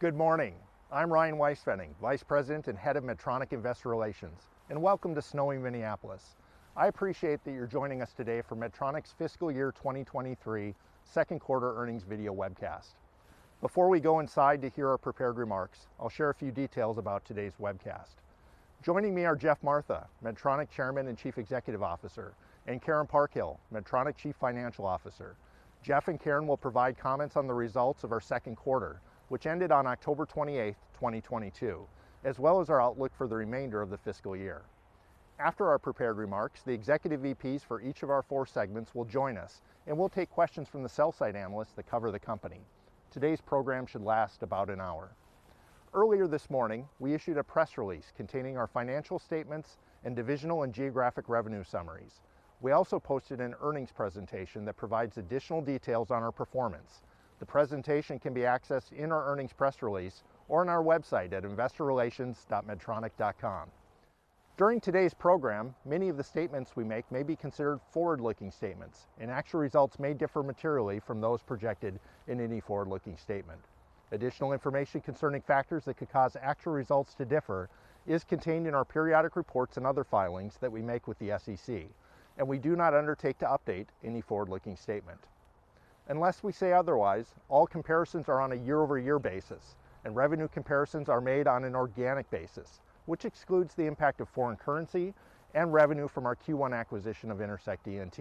Good morning. I'm Ryan Weispfenning, Vice President and Head of Medtronic Investor Relations. Welcome to snowy Minneapolis. I appreciate that you're joining us today for Medtronic's Fiscal Year 2023 second quarter earnings video webcast. Before we go inside to hear our prepared remarks, I'll share a few details about today's webcast. Joining me are Geoff Martha, Medtronic Chairman and Chief Executive Officer, Karen Parkhill, Medtronic Chief Financial Officer. Geoff and Karen will provide comments on the results of our second quarter, which ended on October 28th, 2022, as well as our outlook for the remainder of the fiscal year. After our prepared remarks, the executive VPs for each of our four segments will join us. We'll take questions from the sell side analysts that cover the company. Today's program should last about an hour. Earlier this morning, we issued a press release containing our financial statements and divisional and geographic revenue summaries. We also posted an earnings presentation that provides additional details on our performance. The presentation can be accessed in our earnings press release or on our website at investorrelations.medtronic.com. During today's program, many of the statements we make may be considered forward-looking statements. Actual results may differ materially from those projected in any forward-looking statement. Additional information concerning factors that could cause actual results to differ is contained in our periodic reports and other filings that we make with the SEC. We do not undertake to update any forward-looking statement. Unless we say otherwise, all comparisons are on a year-over-year basis. Revenue comparisons are made on an organic basis, which excludes the impact of foreign currency and revenue from our Q1 acquisition of Intersect ENT.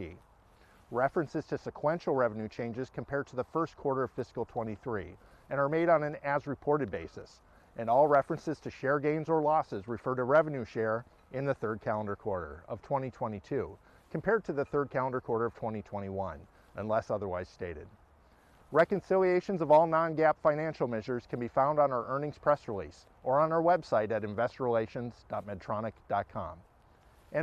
References to sequential revenue changes compared to the first quarter of fiscal 2023 and are made on an as reported basis. All references to share gains or losses refer to revenue share in the 3rd calendar quarter of 2022 compared to the 3rd calendar quarter of 2021, unless otherwise stated. Reconciliations of all non-GAAP financial measures can be found on our earnings press release or on our website at investorrelations.medtronic.com.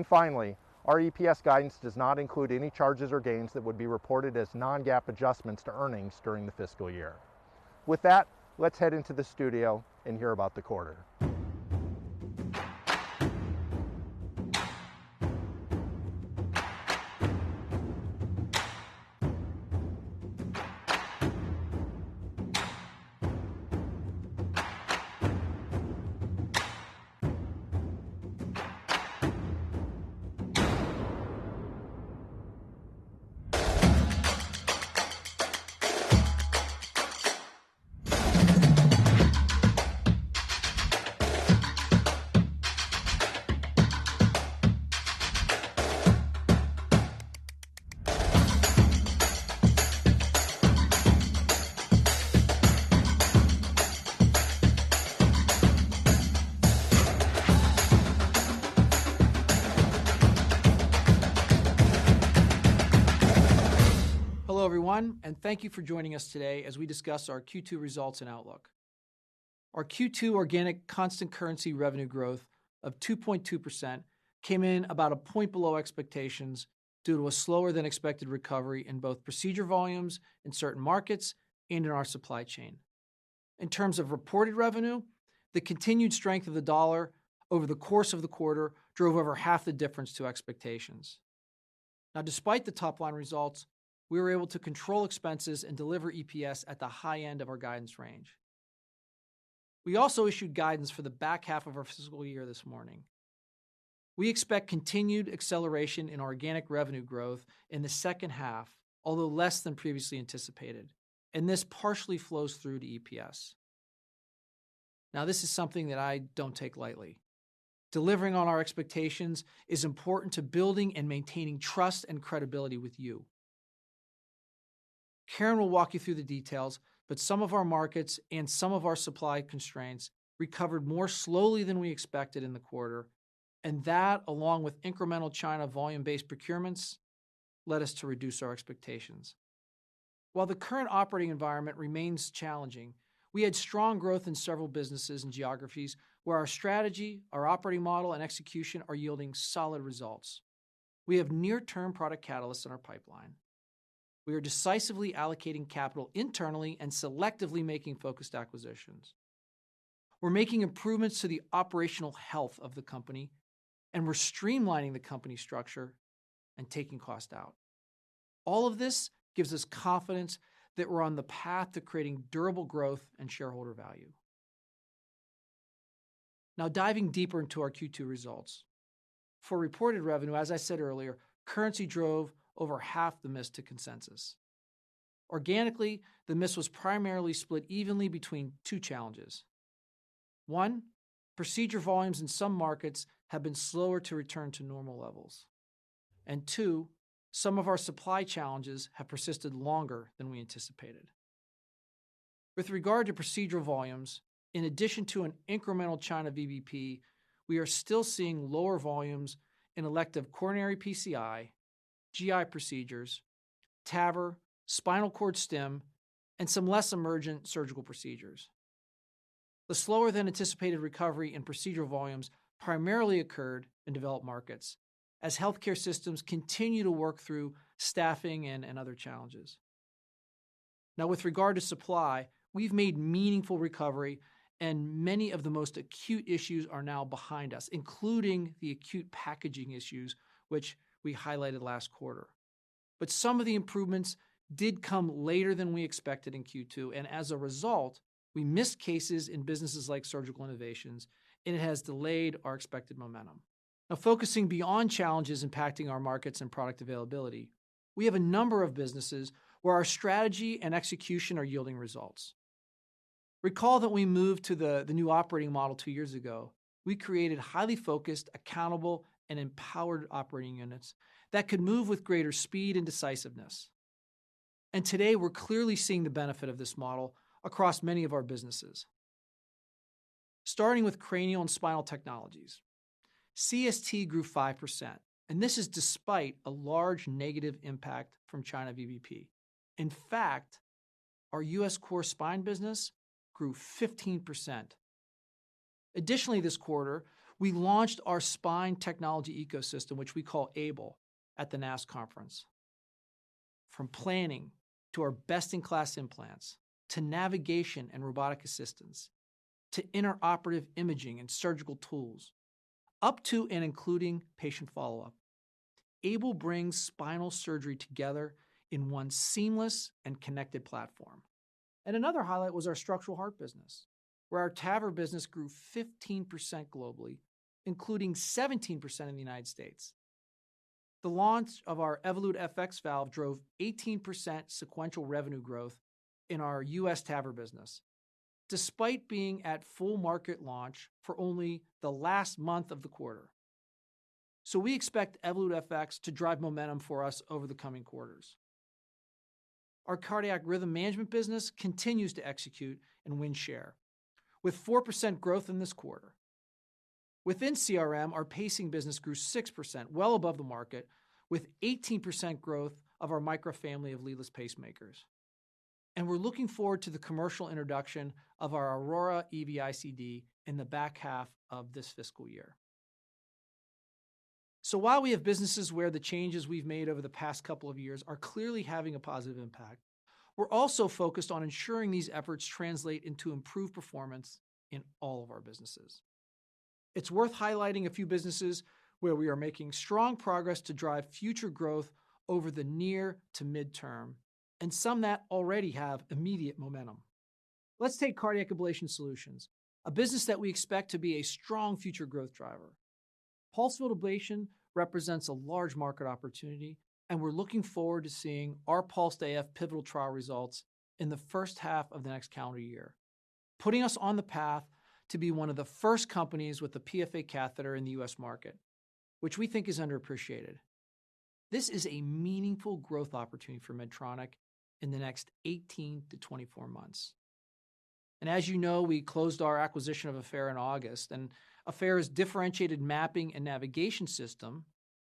Finally, our EPS guidance does not include any charges or gains that would be reported as non-GAAP adjustments to earnings during the fiscal year. With that, let's head into the studio and hear about the quarter. Hello, everyone, thank you for joining us today as we discuss our Q2 results and outlook. Our Q2 organic constant currency revenue growth of 2.2% came in about a point below expectations due to a slower than expected recovery in both procedure volumes in certain markets and in our supply chain. In terms of reported revenue, the continued strength of the U.S. dollar over the course of the quarter drove over half the difference to expectations. Despite the top line results, we were able to control expenses and deliver EPS at the high end of our guidance range. We also issued guidance for the back half of our fiscal year this morning. We expect continued acceleration in organic revenue growth in the second half, although less than previously anticipated, and this partially flows through to EPS. Now, this is something that I don't take lightly. Delivering on our expectations is important to building and maintaining trust and credibility with you. Karen will walk you through the details, but some of our markets and some of our supply constraints recovered more slowly than we expected in the quarter, and that, along with incremental China volume-based procurements, led us to reduce our expectations. While the current operating environment remains challenging, we had strong growth in several businesses and geographies where our strategy, our operating model, and execution are yielding solid results. We have near-term product catalysts in our pipeline. We are decisively allocating capital internally and selectively making focused acquisitions. We're making improvements to the operational health of the company, and we're streamlining the company structure and taking cost out. All of this gives us confidence that we're on the path to creating durable growth and shareholder value. Now diving deeper into our Q2 results. For reported revenue, as I said earlier, currency drove over half the miss to consensus. Organically, the miss was primarily split evenly between two challenges. One. Procedure volumes in some markets have been slower to return to normal levels and two, some of our supply challenges have persisted longer than we anticipated. With regard to procedural volumes, in addition to an incremental China VBP, we are still seeing lower volumes in elective coronary PCI, GI procedures, TAVR, spinal cord stim, and some less emergent surgical procedures. The slower than anticipated recovery in procedural volumes primarily occurred in developed markets as healthcare systems continue to work through staffing and other challenges. With regard to supply, we've made meaningful recovery, and many of the most acute issues are now behind us, including the acute packaging issues which we highlighted last quarter. Some of the improvements did come later than we expected in Q2, and as a result, we missed cases in businesses like Surgical Innovations, and it has delayed our expected momentum. Focusing beyond challenges impacting our markets and product availability, we have a number of businesses where our strategy and execution are yielding results. Recall that we moved to the new operating model two years ago. We created highly focused, accountable, and empowered operating units that could move with greater speed and decisiveness. Today, we're clearly seeing the benefit of this model across many of our businesses. Starting with Cranial & Spinal Technologies, CST grew 5%, and this is despite a large negative impact from China VBP. In fact, our U.S. core spine business grew 15%. Additionally, this quarter, we launched our spine technology ecosystem, which we call AiBLE, at the NASS conference. From planning to our best-in-class implants to navigation and robotic assistance to intraoperative imaging and surgical tools, up to and including patient follow-up, AiBLE brings spinal surgery together in one seamless and connected platform. Another highlight was our structural heart business, where our TAVR business grew 15% globally, including 17% in the United States. The launch of our Evolut FX valve drove 18% sequential revenue growth in our U.S. TAVR business, despite being at full market launch for only the last month of the quarter. We expect Evolut FX to drive momentum for us over the coming quarters. Our Cardiac Rhythm Management business continues to execute and win share, with 4% growth in this quarter. Within CRM, our pacing business grew 6%, well above the market, with 18% growth of our Micra family of leadless pacemakers. We're looking forward to the commercial introduction of our Aurora EV-ICD in the back half of this fiscal year. While we have businesses where the changes we've made over the past couple of years are clearly having a positive impact, we're also focused on ensuring these efforts translate into improved performance in all of our businesses. It's worth highlighting a few businesses where we are making strong progress to drive future growth over the near to midterm, and some that already have immediate momentum. Let's take Cardiac Ablation Solutions, a business that we expect to be a strong future growth driver. Pulsed field ablation represents a large market opportunity. We're looking forward to seeing our PULSED AF pivotal trial results in the first half of the next calendar year, putting us on the path to be one of the first companies with a PFA catheter in the U.S. market, which we think is underappreciated. This is a meaningful growth opportunity for Medtronic in the next 18-24 months. As you know, we closed our acquisition of Affera in August, and Affera's differentiated mapping and navigation system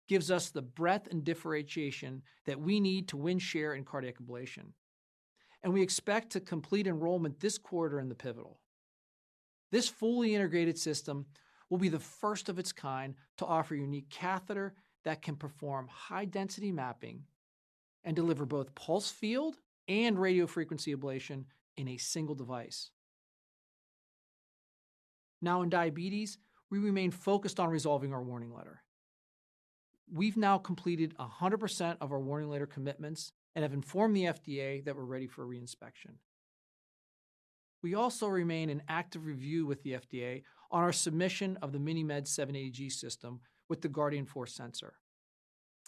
gives us the breadth and differentiation that we need to win share in cardiac ablation. We expect to complete enrollment this quarter in the pivotal. This fully integrated system will be the first of its kind to offer a unique catheter that can perform high-density mapping and deliver both pulsed field and radiofrequency ablation in a single device. In Diabetes, we remain focused on resolving our Warning Letter. We've now completed 100% of our Warning Letter commitments and have informed the FDA that we're ready for re-inspection. We also remain in active review with the FDA on our submission of the MiniMed 780G system with the Guardian 4 sensor.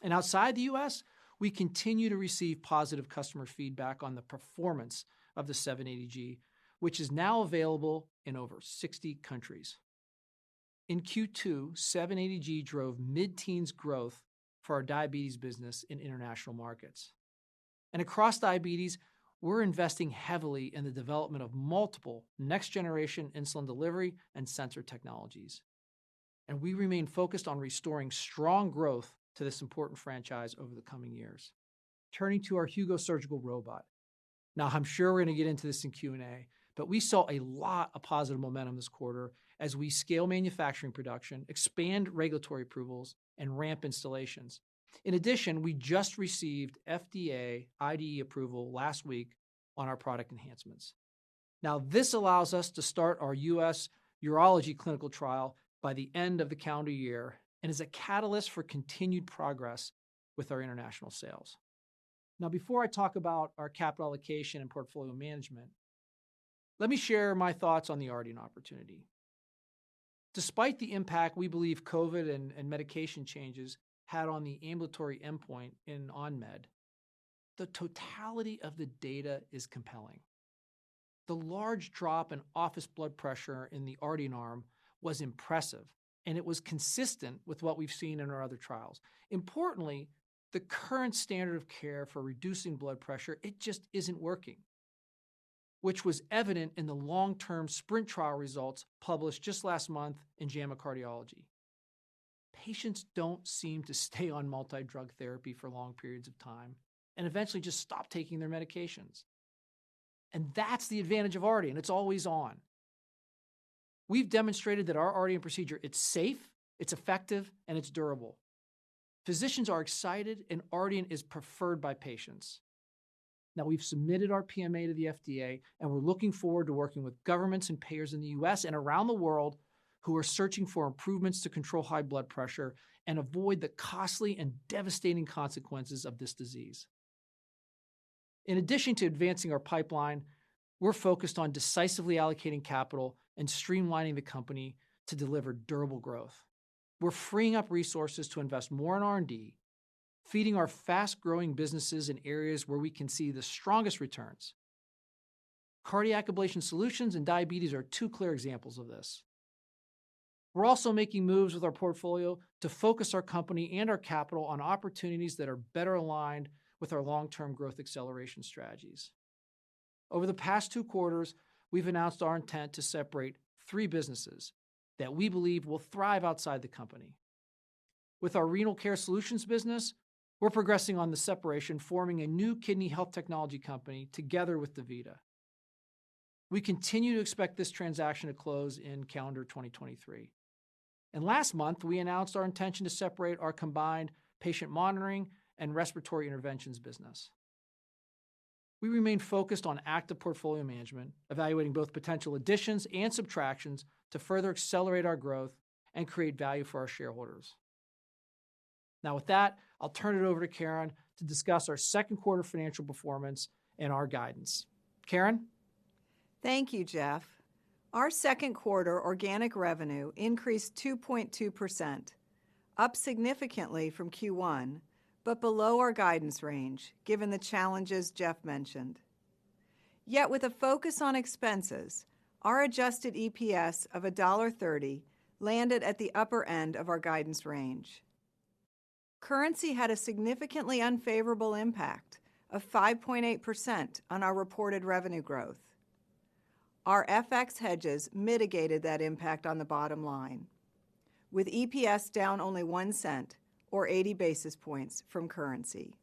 Outside the U.S., we continue to receive positive customer feedback on the performance of the 780G, which is now available in over 60 countries. In Q2, 780G drove mid-teens growth for our Diabetes business in international markets. Across Diabetes, we're investing heavily in the development of multiple next-generation insulin delivery and sensor technologies. We remain focused on restoring strong growth to this important franchise over the coming years. Turning to our Hugo surgical robot. I'm sure we're going to get into this in Q&A, we saw a lot of positive momentum this quarter as we scale manufacturing production, expand regulatory approvals, and ramp installations. In addition, we just received FDA IDE approval last week on our product enhancements. This allows us to start our U.S. urology clinical trial by the end of the calendar year and is a catalyst for continued progress with our international sales. Before I talk about our capital allocation and portfolio management, let me share my thoughts on the Ardian opportunity. Despite the impact we believe COVID and medication changes had on the ambulatory endpoint in ON MED, the totality of the data is compelling. The large drop in office blood pressure in the Ardian arm was impressive, and it was consistent with what we've seen in our other trials. Importantly, the current standard of care for reducing blood pressure, it just isn't working, which was evident in the long-term SPRINT trial results published just last month in JAMA Cardiology. Patients don't seem to stay on multi-drug therapy for long periods of time and eventually just stop taking their medications. That's the advantage of Ardian. It's always on. We've demonstrated that our Ardian procedure, it's safe, it's effective, and it's durable. Physicians are excited, and Ardian is preferred by patients. Now we've submitted our PMA to the FDA, and we're looking forward to working with governments and payers in the U.S. and around the world who are searching for improvements to control high blood pressure and avoid the costly and devastating consequences of this disease. In addition to advancing our pipeline, we're focused on decisively allocating capital and streamlining the company to deliver durable growth. We're freeing up resources to invest more in R&D, feeding our fast-growing businesses in areas where we can see the strongest returns. Cardiac Ablation Solutions and diabetes are 2 clear examples of this. We're also making moves with our portfolio to focus our company and our capital on opportunities that are better aligned with our long-term growth acceleration strategies. Over the past two quarters, we've announced our intent to separate three businesses that we believe will thrive outside the company. With our Renal Care Solutions business, we're progressing on the separation, forming a new kidney health technology company together with DaVita. We continue to expect this transaction to close in calendar 2023. Last month, we announced our intention to separate our combined Patient Monitoring and Respiratory Interventions business. We remain focused on active portfolio management, evaluating both potential additions and subtractions to further accelerate our growth and create value for our shareholders. With that, I'll turn it over to Karen to discuss our second quarter financial performance and our guidance. Karen. Thank you, Geoff. Our second quarter organic revenue increased 2.2%, up significantly from Q1, below our guidance range given the challenges Geoff mentioned. With a focus on expenses, our adjusted EPS of $1.30 landed at the upper end of our guidance range. Currency had a significantly unfavorable impact of 5.8% on our reported revenue growth. Our FX hedges mitigated that impact on the bottom line, with EPS down only $0.01 or 80 basis points from currency.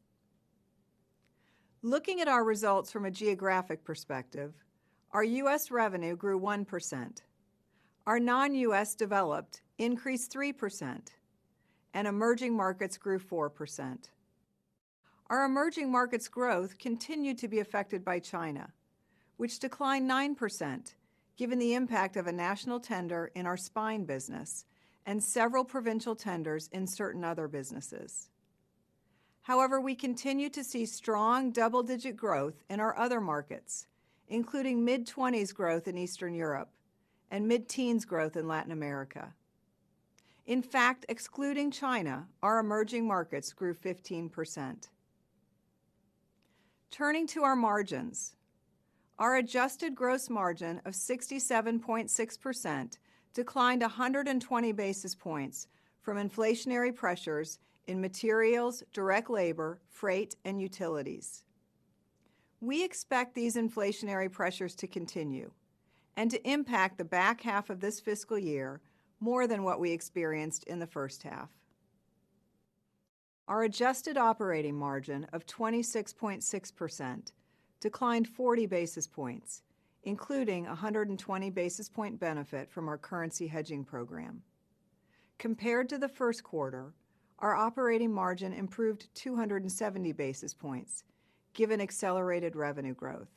Looking at our results from a geographic perspective, our U.S. revenue grew 1%. Our non-U.S. developed increased 3%, emerging markets grew 4%. Our emerging markets growth continued to be affected by China, which declined 9%, given the impact of a national tender in our spine business and several provincial tenders in certain other businesses. We continue to see strong double-digit growth in our other markets, including mid-20s growth in Eastern Europe and mid-teens growth in Latin America. Excluding China, our emerging markets grew 15%. Turning to our margins, our adjusted gross margin of 67.6% declined 120 basis points from inflationary pressures in materials, direct labor, freight, and utilities. We expect these inflationary pressures to continue and to impact the back half of this fiscal year more than what we experienced in the first half. Our adjusted operating margin of 26.6% declined 40 basis points, including 120 basis point benefit from our currency hedging program. Compared to the first quarter, our operating margin improved 270 basis points given accelerated revenue growth.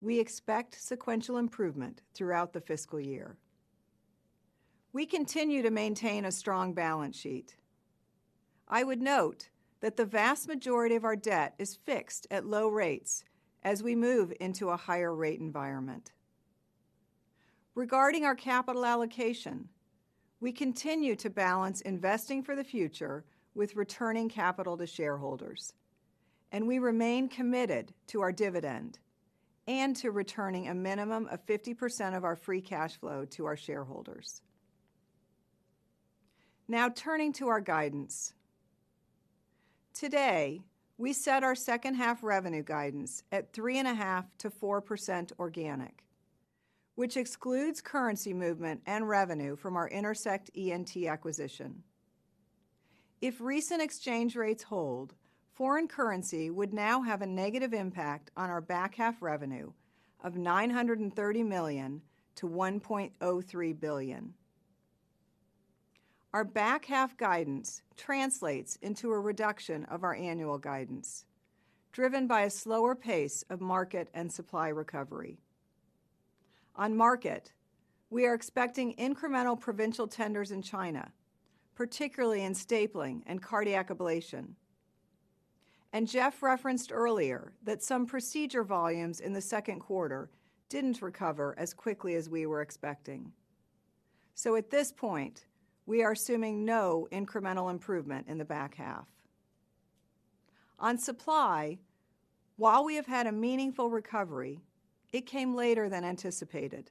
We expect sequential improvement throughout the fiscal year. We continue to maintain a strong balance sheet. I would note that the vast majority of our debt is fixed at low rates as we move into a higher rate environment. Regarding our capital allocation, we continue to balance investing for the future with returning capital to shareholders, and we remain committed to our dividend and to returning a minimum of 50% of our free cash flow to our shareholders. Now, turning to our guidance. Today, we set our second half revenue guidance at 3.5%-4% organic, which excludes currency movement and revenue from our Intersect ENT acquisition. If recent exchange rates hold, foreign currency would now have a negative impact on our back half revenue of $930 million-$1.03 billion. Our back half guidance translates into a reduction of our annual guidance, driven by a slower pace of market and supply recovery. On market, we are expecting incremental provincial tenders in China, particularly in stapling and cardiac ablation. Geoff referenced earlier that some procedure volumes in the second quarter didn't recover as quickly as we were expecting. At this point, we are assuming no incremental improvement in the back half. On supply, while we have had a meaningful recovery, it came later than anticipated,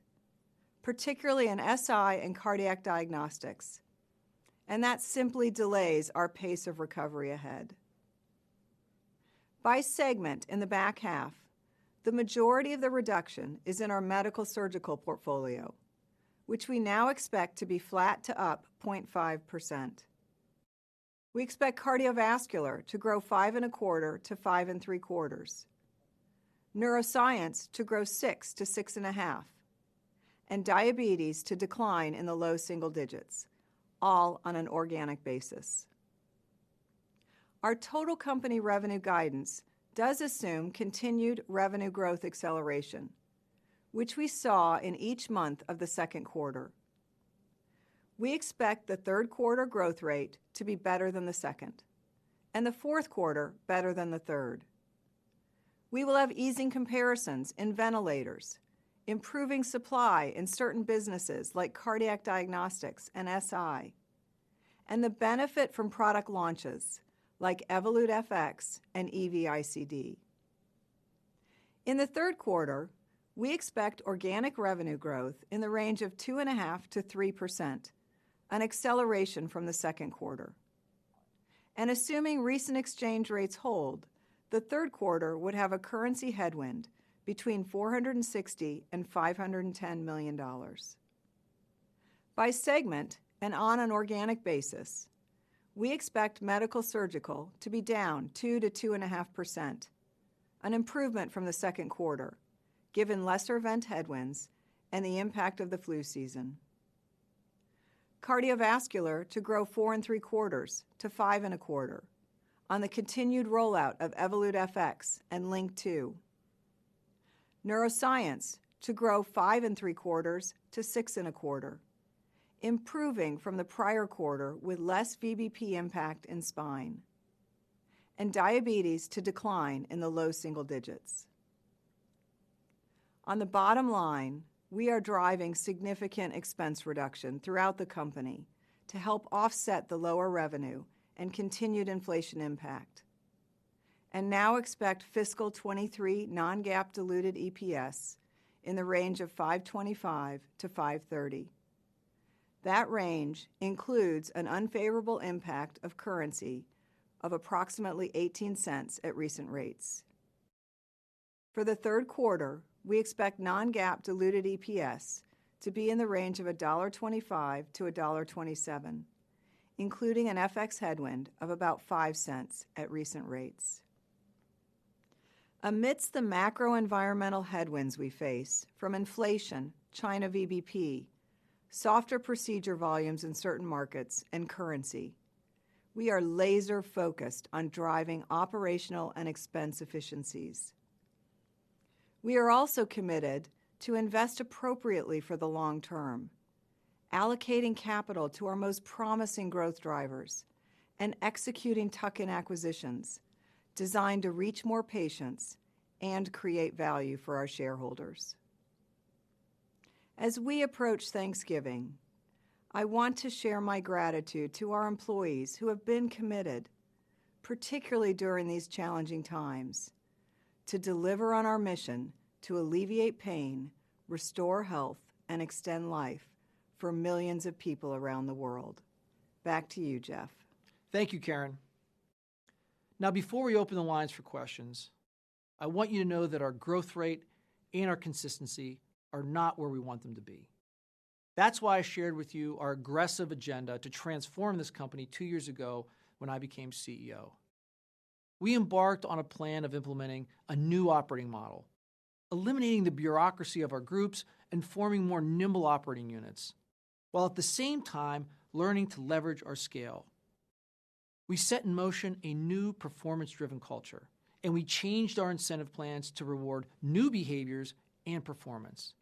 particularly in SI and cardiac diagnostics, that simply delays our pace of recovery ahead. By segment in the back half, the majority of the reduction is in our Medical Surgical Portfolio, which we now expect to be flat to up 0.5%. We expect Cardiovascular Portfolio to grow 5.25%-5.75%. Neuroscience to grow 6% to 6.5%. Diabetes to decline in the low single digits, all on an organic basis. Our total company revenue guidance does assume continued revenue growth acceleration, which we saw in each month of the second quarter. We expect the third quarter growth rate to be better than the second, and the fourth quarter better than the third. We will have easing comparisons in ventilators, improving supply in certain businesses like Cardiac Diagnostics and SI, and the benefit from product launches like Evolut FX and EVICD. In the third quarter, we expect organic revenue growth in the range of 2.5% to 3%, an acceleration from the second quarter. Assuming recent exchange rates hold, the third quarter would have a currency headwind between $460 million and $510 million. By segment and on an organic basis, we expect Medical Surgical to be down 2% to 2.5%, an improvement from the second quarter, given lesser event headwinds and the impact of the flu season. Cardiovascular to grow 4.75% to 5.25% on the continued rollout of Evolut FX and LINQ II. Neuroscience to grow 5.75% to 6.25%, improving from the prior quarter with less VBP impact in spine. Diabetes to decline in the low single digits. On the bottom line, we are driving significant expense reduction throughout the company to help offset the lower revenue and continued inflation impact and now expect fiscal 2023 non-GAAP diluted EPS in the range of $5.25 to $5.30. That range includes an unfavorable impact of currency of approximately $0.18 at recent rates. For the third quarter, we expect non-GAAP diluted EPS to be in the range of $1.25-$1.27, including an FX headwind of about $0.05 at recent rates. Amidst the macro environmental headwinds we face from inflation, China VBP, softer procedure volumes in certain markets, and currency, we are laser-focused on driving operational and expense efficiencies. We are also committed to invest appropriately for the long term, allocating capital to our most promising growth drivers and executing tuck-in acquisitions designed to reach more patients and create value for our shareholders. As we approach Thanksgiving, I want to share my gratitude to our employees who have been committed, particularly during these challenging times, to deliver on our mission to alleviate pain, restore health, and extend life for millions of people around the world. Back to you, Geoff. Thank you, Karen. Before we open the lines for questions, I want you to know that our growth rate and our consistency are not where we want them to be. That's why I shared with you our aggressive agenda to transform this company two years ago when I became CEO. We embarked on a plan of implementing a new operating model, eliminating the bureaucracy of our groups and forming more nimble operating units, while at the same time learning to leverage our scale. We set in motion a new performance-driven culture, and we changed our incentive plans to reward new behaviors and performance.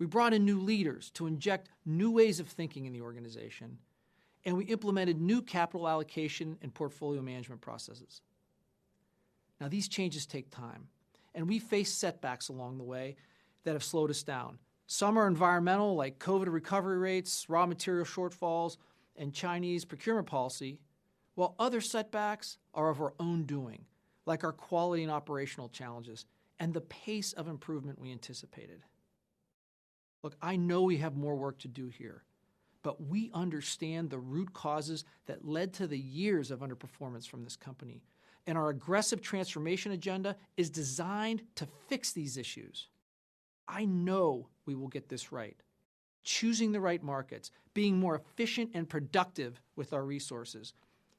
We brought in new leaders to inject new ways of thinking in the organization, and we implemented new capital allocation and portfolio management processes. These changes take time, and we face setbacks along the way that have slowed us down. Some are environmental, like COVID recovery rates, raw material shortfalls, and Chinese procurement policy, while other setbacks are of our own doing, like our quality and operational challenges and the pace of improvement we anticipated. Look, I know we have more work to do here, but we understand the root causes that led to the years of underperformance from this company, and our aggressive transformation agenda is designed to fix these issues. I know we will get this right, choosing the right markets, being more efficient and productive with our resources,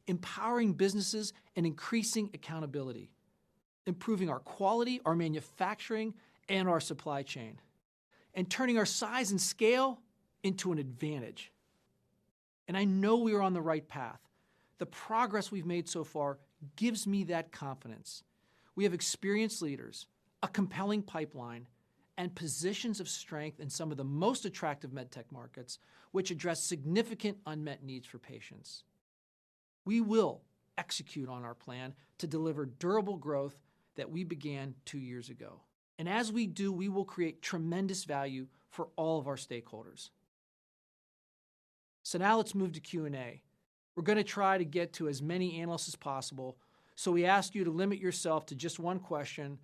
empowering businesses, and increasing accountability, improving our quality, our manufacturing, and our supply chain, and turning our size and scale into an advantage. I know we are on the right path. The progress we've made so far gives me that confidence. We have experienced leaders, a compelling pipeline, and positions of strength in some of the most attractive Medtech markets which address significant unmet needs for patients. We will execute on our plan to deliver durable growth that we began two years ago. As we do, we will create tremendous value for all of our stakeholders. Now let's move to Q&A. We're gonna try to get to as many analysts as possible, so we ask you to limit yourself to just one question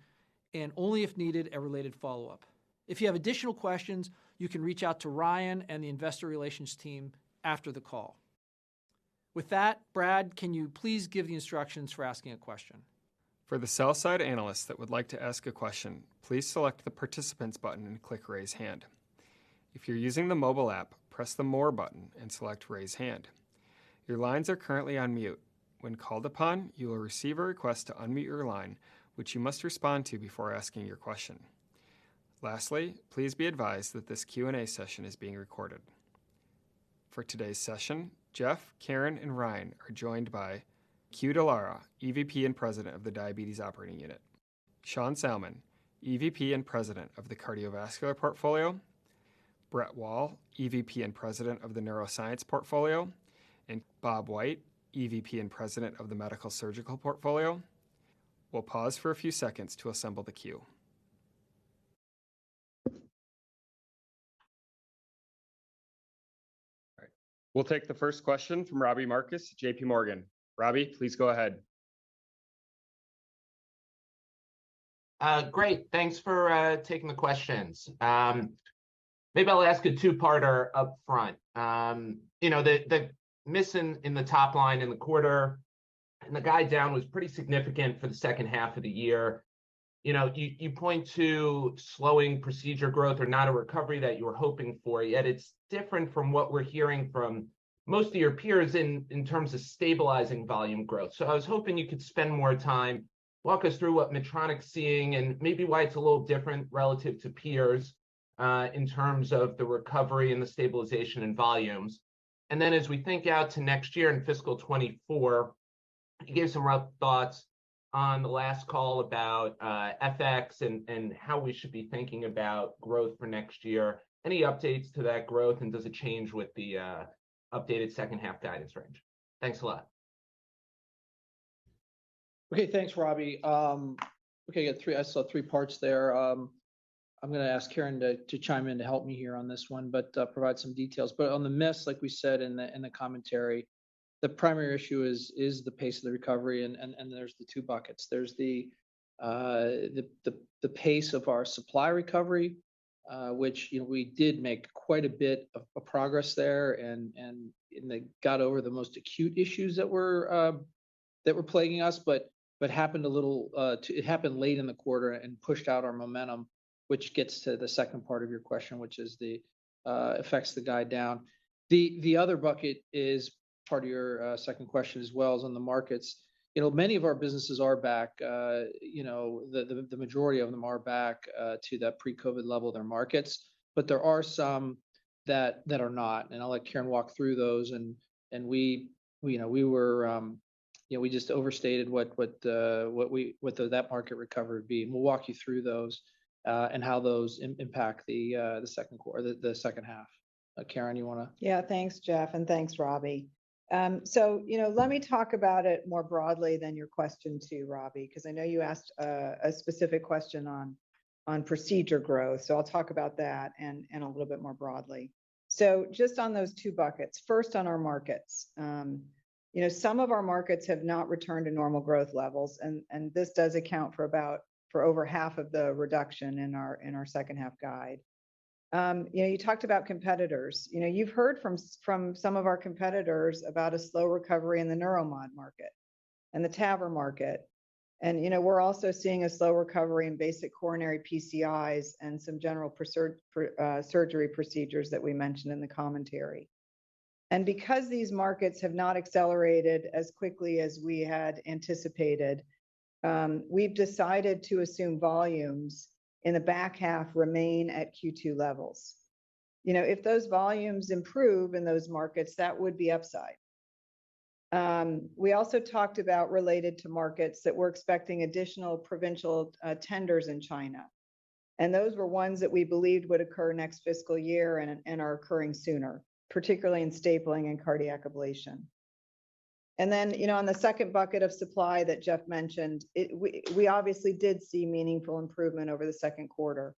and only if needed, a related follow-up. If you have additional questions, you can reach out to Ryan and the investor relations team after the call. With that, Brad, can you please give the instructions for asking a question. For the sell side analysts that would like to ask a question, please select the Participants button and click Raise Hand. If you're using the mobile app, press the More button and select Raise Hand. Your lines are currently on mute. When called upon, you will receive a request to unmute your line, which you must respond to before asking your question. Lastly, please be advised that this Q&A session is being recorded. For today's session, Geoff, Karen, and Ryan are joined by Que Dallara, EVP and President of the Diabetes Operating Unit, Sean Salmon, EVP and President of the Cardiovascular Portfolio, Brett Wall, EVP and President of the Neuroscience Portfolio, and Bob White, EVP and President of the Medical Surgical Portfolio. We'll pause for a few seconds to assemble the queue. All right. We'll take the first question from Robbie Marcus, JP Morgan. Robbie, please go ahead. Great. Thanks for taking the questions. Maybe I'll ask a two-parter upfront. You know, the missing in the top line in the quarter and the guide down was pretty significant for the second half of the year. You know, you point to slowing procedure growth or not a recovery that you were hoping for, yet it's different from what we're hearing from most of your peers in terms of stabilizing volume growth. I was hoping you could spend more time, walk us through what Medtronic's seeing and maybe why it's a little different relative to peers, in terms of the recovery and the stabilization in volumes. As we think out to next year in fiscal 2024, you gave some rough thoughts on the last call about FX and how we should be thinking about growth for next year. Any updates to that growth, and does it change with the updated second half guidance range? Thanks a lot. Okay. Thanks, Robbie. I saw three parts there. I'm gonna ask Karen to chime in to help me here on this one, but provide some details. On the miss, like we said in the commentary, the primary issue is the pace of the recovery and there's the two buckets. There's the pace of our supply recovery, which, you know, we did make quite a bit of progress there and got over the most acute issues that were plaguing us, but it happened late in the quarter and pushed out our momentum, which gets to the second part of your question, which is the effects the guide down. The other bucket is part of your second question as well, is on the markets. You know, many of our businesses are back. You know, the majority of them are back to that pre-COVID level of their markets. There are some that are not, and I'll let Karen walk through those. We, you know, we were, you know, we just overstated what the market recovery would be. We'll walk you through those and how those impact the second half. Karen, you wanna. Thanks, Geoff, and thanks, Robbie. You know, let me talk about it more broadly than your question too, Robbie, 'cause I know you asked a specific question on procedure growth, so I'll talk about that and a little bit more broadly. Just on those two buckets. First, on our markets. You know, some of our markets have not returned to normal growth levels, and this does account for about over half of the reduction in our second half guide. You know, you talked about competitors. You know, you've heard from some of our competitors about a slow recovery in the Neuromodulation market and the TAVR market. You know, we're also seeing a slow recovery in basic coronary PCIs and some general surgery procedures that we mentioned in the commentary. Because these markets have not accelerated as quickly as we had anticipated, we've decided to assume volumes in the back half remain at Q2 levels. You know, if those volumes improve in those markets, that would be upside. We also talked about related to markets that we're expecting additional provincial tenders in China, and those were ones that we believed would occur next fiscal year and are occurring sooner, particularly in stapling and cardiac ablation. Then, you know, on the second bucket of supply that Geoff mentioned, We obviously did see meaningful improvement over the second quarter,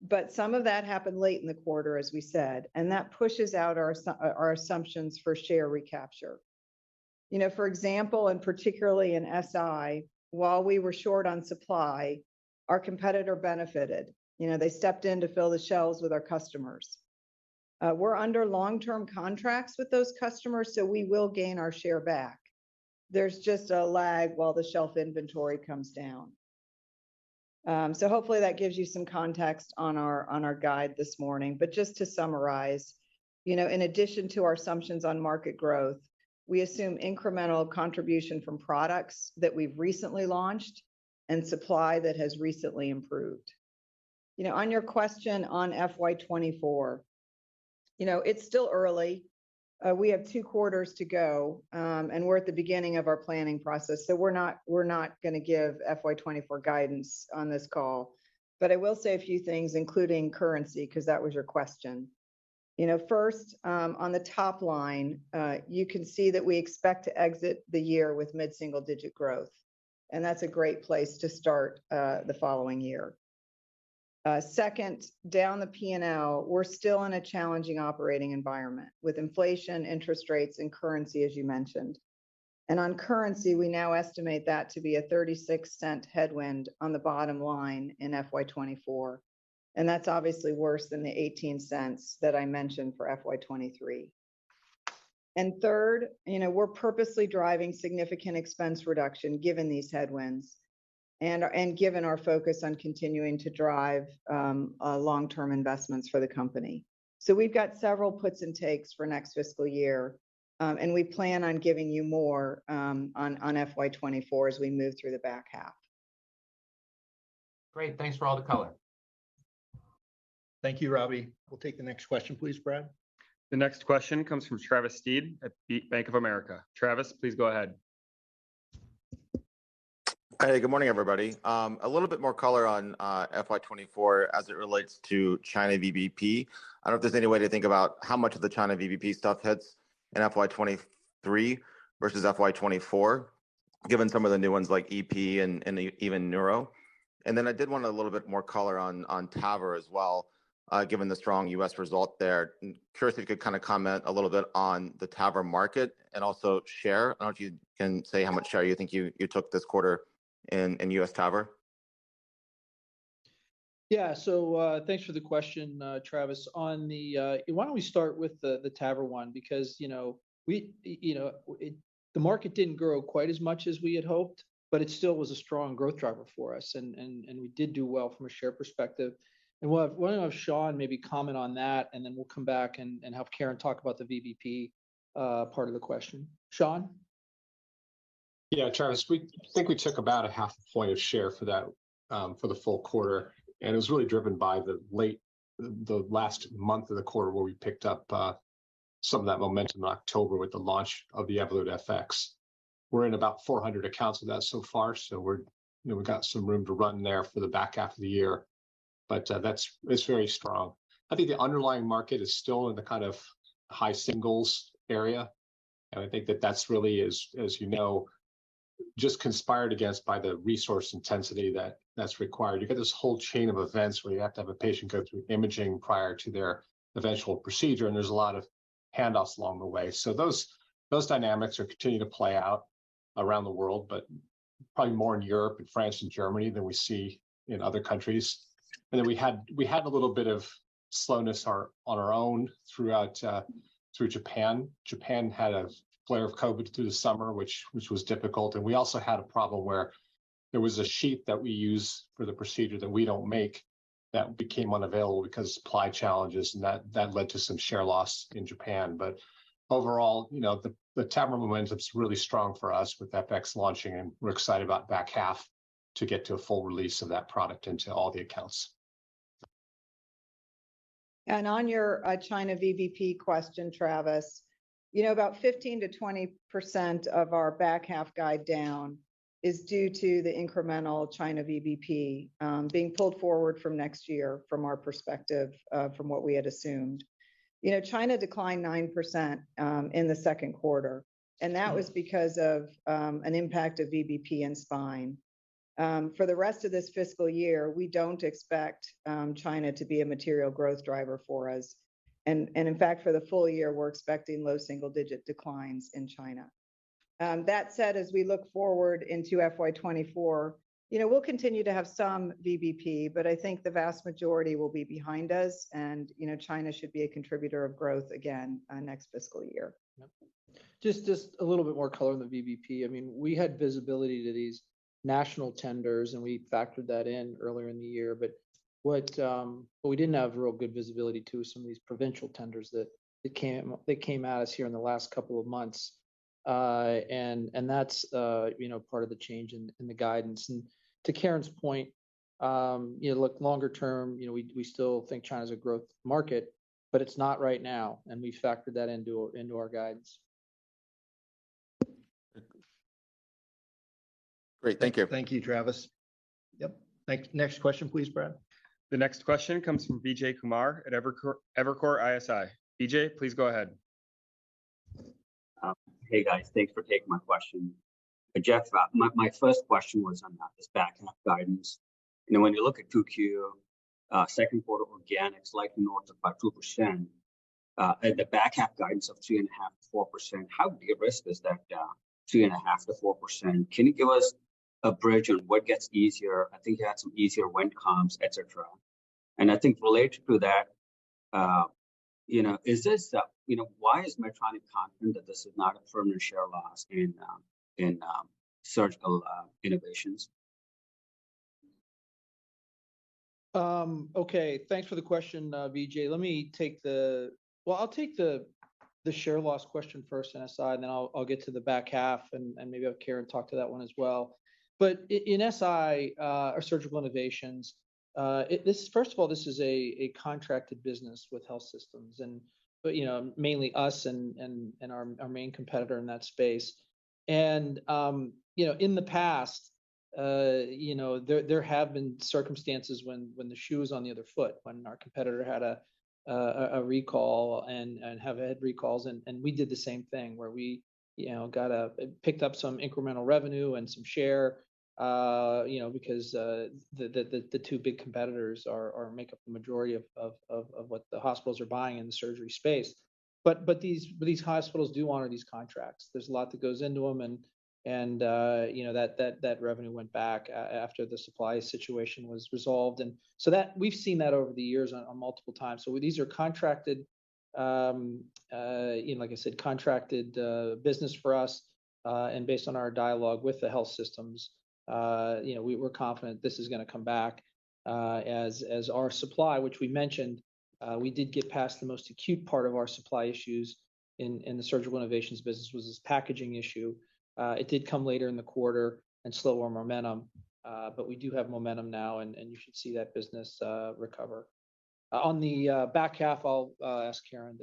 but some of that happened late in the quarter, as we said, and that pushes out our assumptions for share recapture. You know, for example, and particularly in SI, while we were short on supply, our competitor benefited. You know, they stepped in to fill the shelves with our customers. We're under long-term contracts with those customers, so we will gain our share back. There's just a lag while the shelf inventory comes down. Hopefully that gives you some context on our, on our guide this morning. Just to summarize, you know, in addition to our assumptions on market growth, we assume incremental contribution from products that we've recently launched and supply that has recently improved. You know, on your question on FY 2024, you know, it's still early. We have two quarters to go, and we're at the beginning of our planning process, so we're not gonna give FY 2024 guidance on this call. I will say a few things, including currency, 'cause that was your question. You know, first, on the top line, you can see that we expect to exit the year with mid-single digit growth, and that's a great place to start the following year. Second, down the P&L, we're still in a challenging operating environment with inflation, interest rates, and currency, as you mentioned. On currency, we now estimate that to be a $0.36 headwind on the bottom line in FY 2024, and that's obviously worse than the $0.18 that I mentioned for FY 2023. Third, you know, we're purposely driving significant expense reduction given these headwinds. Given our focus on continuing to drive long-term investments for the company. We've got several puts and takes for next fiscal year, and we plan on giving you more on FY 2024 as we move through the back half. Great. Thanks for all the color. Thank you, Robbie. We'll take the next question please, Brad. The next question comes from Travis Steed at Bank of America. Travis, please go ahead. Hey, good morning, everybody. A little bit more color on FY 2024 as it relates to China VBP. I don't know if there's any way to think about how much of the China VBP stuff hits in FY 2023 versus FY 2024, given some of the new ones like EP and even neuro? Then I did want a little bit more color on TAVR as well, given the strong U.S. result there. Curious if you could kinda comment a little bit on the TAVR market and also share. I don't know if you can say how much share you think you took this quarter in U.S. TAVR? Yeah. Thanks for the question, Travis. On the... Why don't we start with the TAVR one because, you know, The market didn't grow quite as much as we had hoped, but it still was a strong growth driver for us and we did do well from a share perspective. Why don't have Sean maybe comment on that, and then we'll come back and have Karen talk about the VBP part of the question. Sean? Yeah, Travis. We think we took about a half point of share for that, for the full quarter. It was really driven by the last month of the quarter where we picked up some of that momentum in October with the launch of the Evolut FX. We're in about 400 accounts with that so far, so we're, you know, we've got some room to run there for the back half of the year. It's very strong. I think the underlying market is still in the kind of high singles area, and I think that that's really, as you know, just conspired against by the resource intensity that's required. You got this whole chain of events where you have to have a patient go through imaging prior to their eventual procedure. There's a lot of handoffs along the way. Those dynamics are continuing to play out around the world, probably more in Europe and France and Germany than we see in other countries. We had a little bit of slowness on our own throughout through Japan. Japan had a flare of COVID through the summer, which was difficult. We also had a problem where there was a sheath that we use for the procedure that we don't make that became unavailable because of supply challenges, that led to some share loss in Japan.Overall, you know, the TAVR momentum's really strong for us with FX launching, and we're excited about back half to get to a full release of that product into all the accounts. On your China VBP question, Travis, you know, about 15%-20% of our back half guide down is due to the incremental China VBP being pulled forward from next year from our perspective, from what we had assumed. You know, China declined 9% in the second quarter, and that was because of an impact of VBP and spine. For the rest of this fiscal year, we don't expect China to be a material growth driver for us. In fact, for the full year, we're expecting low single digit declines in China. That said, as we look forward into FY 2024, you know, we'll continue to have some VBP, but I think the vast majority will be behind us and, you know, China should be a contributor of growth again next fiscal year. Yeah. Just a little bit more color on the VBP. I mean, we had visibility to these national tenders. We factored that in earlier in the year. What we didn't have real good visibility to some of these provincial tenders that came at us here in the last couple of months. That's, you know, part of the change in the guidance. To Karen's point, you know, look, longer term, you know, we still think China's a growth market. It's not right now. We factored that into our guidance. Great. Thank you. Thank you, Travis. Yep. Next question please, Brad. The next question comes from Vijay Kumar at Evercore ISI. Vijay, please go ahead. Hey, guys. Thanks for taking my question. Geoff, my first question was on this back half guidance. You know, when you look at 2Q, second quarter organics like north of about 2%, and the back half guidance of 3.5% to 4%, how de-risked is that down 3.5% to 4%? Can you give us a bridge on what gets easier? I think you had some easier wind comps, et cetera. I think related to that, you know, is this, you know, why is Medtronic confident that this is not a further share loss in Surgical Innovations? Okay. Thanks for the question, Vijay. Let me take the share loss question first in SI, then I'll get to the back half and maybe have Karen talk to that one as well. In SI, our Surgical Innovations, this, first of all, this is a contracted business with health systems but, you know, mainly us and our main competitor in that space. You know, in the past, you know, there have been circumstances when the shoe is on the other foot, when our competitor had a recall and have had recalls and we did the same thing where we, you know, picked up some incremental revenue and some share, you know, because the two big competitors make up the majority of what the hospitals are buying in the surgery space. But these hospitals do honor these contracts. There's a lot that goes into them and you know, that revenue went back after the supply situation was resolved. We've seen that over the years on multiple times. These are contracted, you know, like I said, contracted business for us. Based on our dialogue with the health systems, you know, we're confident this is gonna come back as our supply, which we mentioned, we did get past the most acute part of our supply issues in the Surgical Innovations business was this packaging issue. It did come later in the quarter and slower momentum, we do have momentum now, and you should see that business recover. On the back half, I'll ask Karen.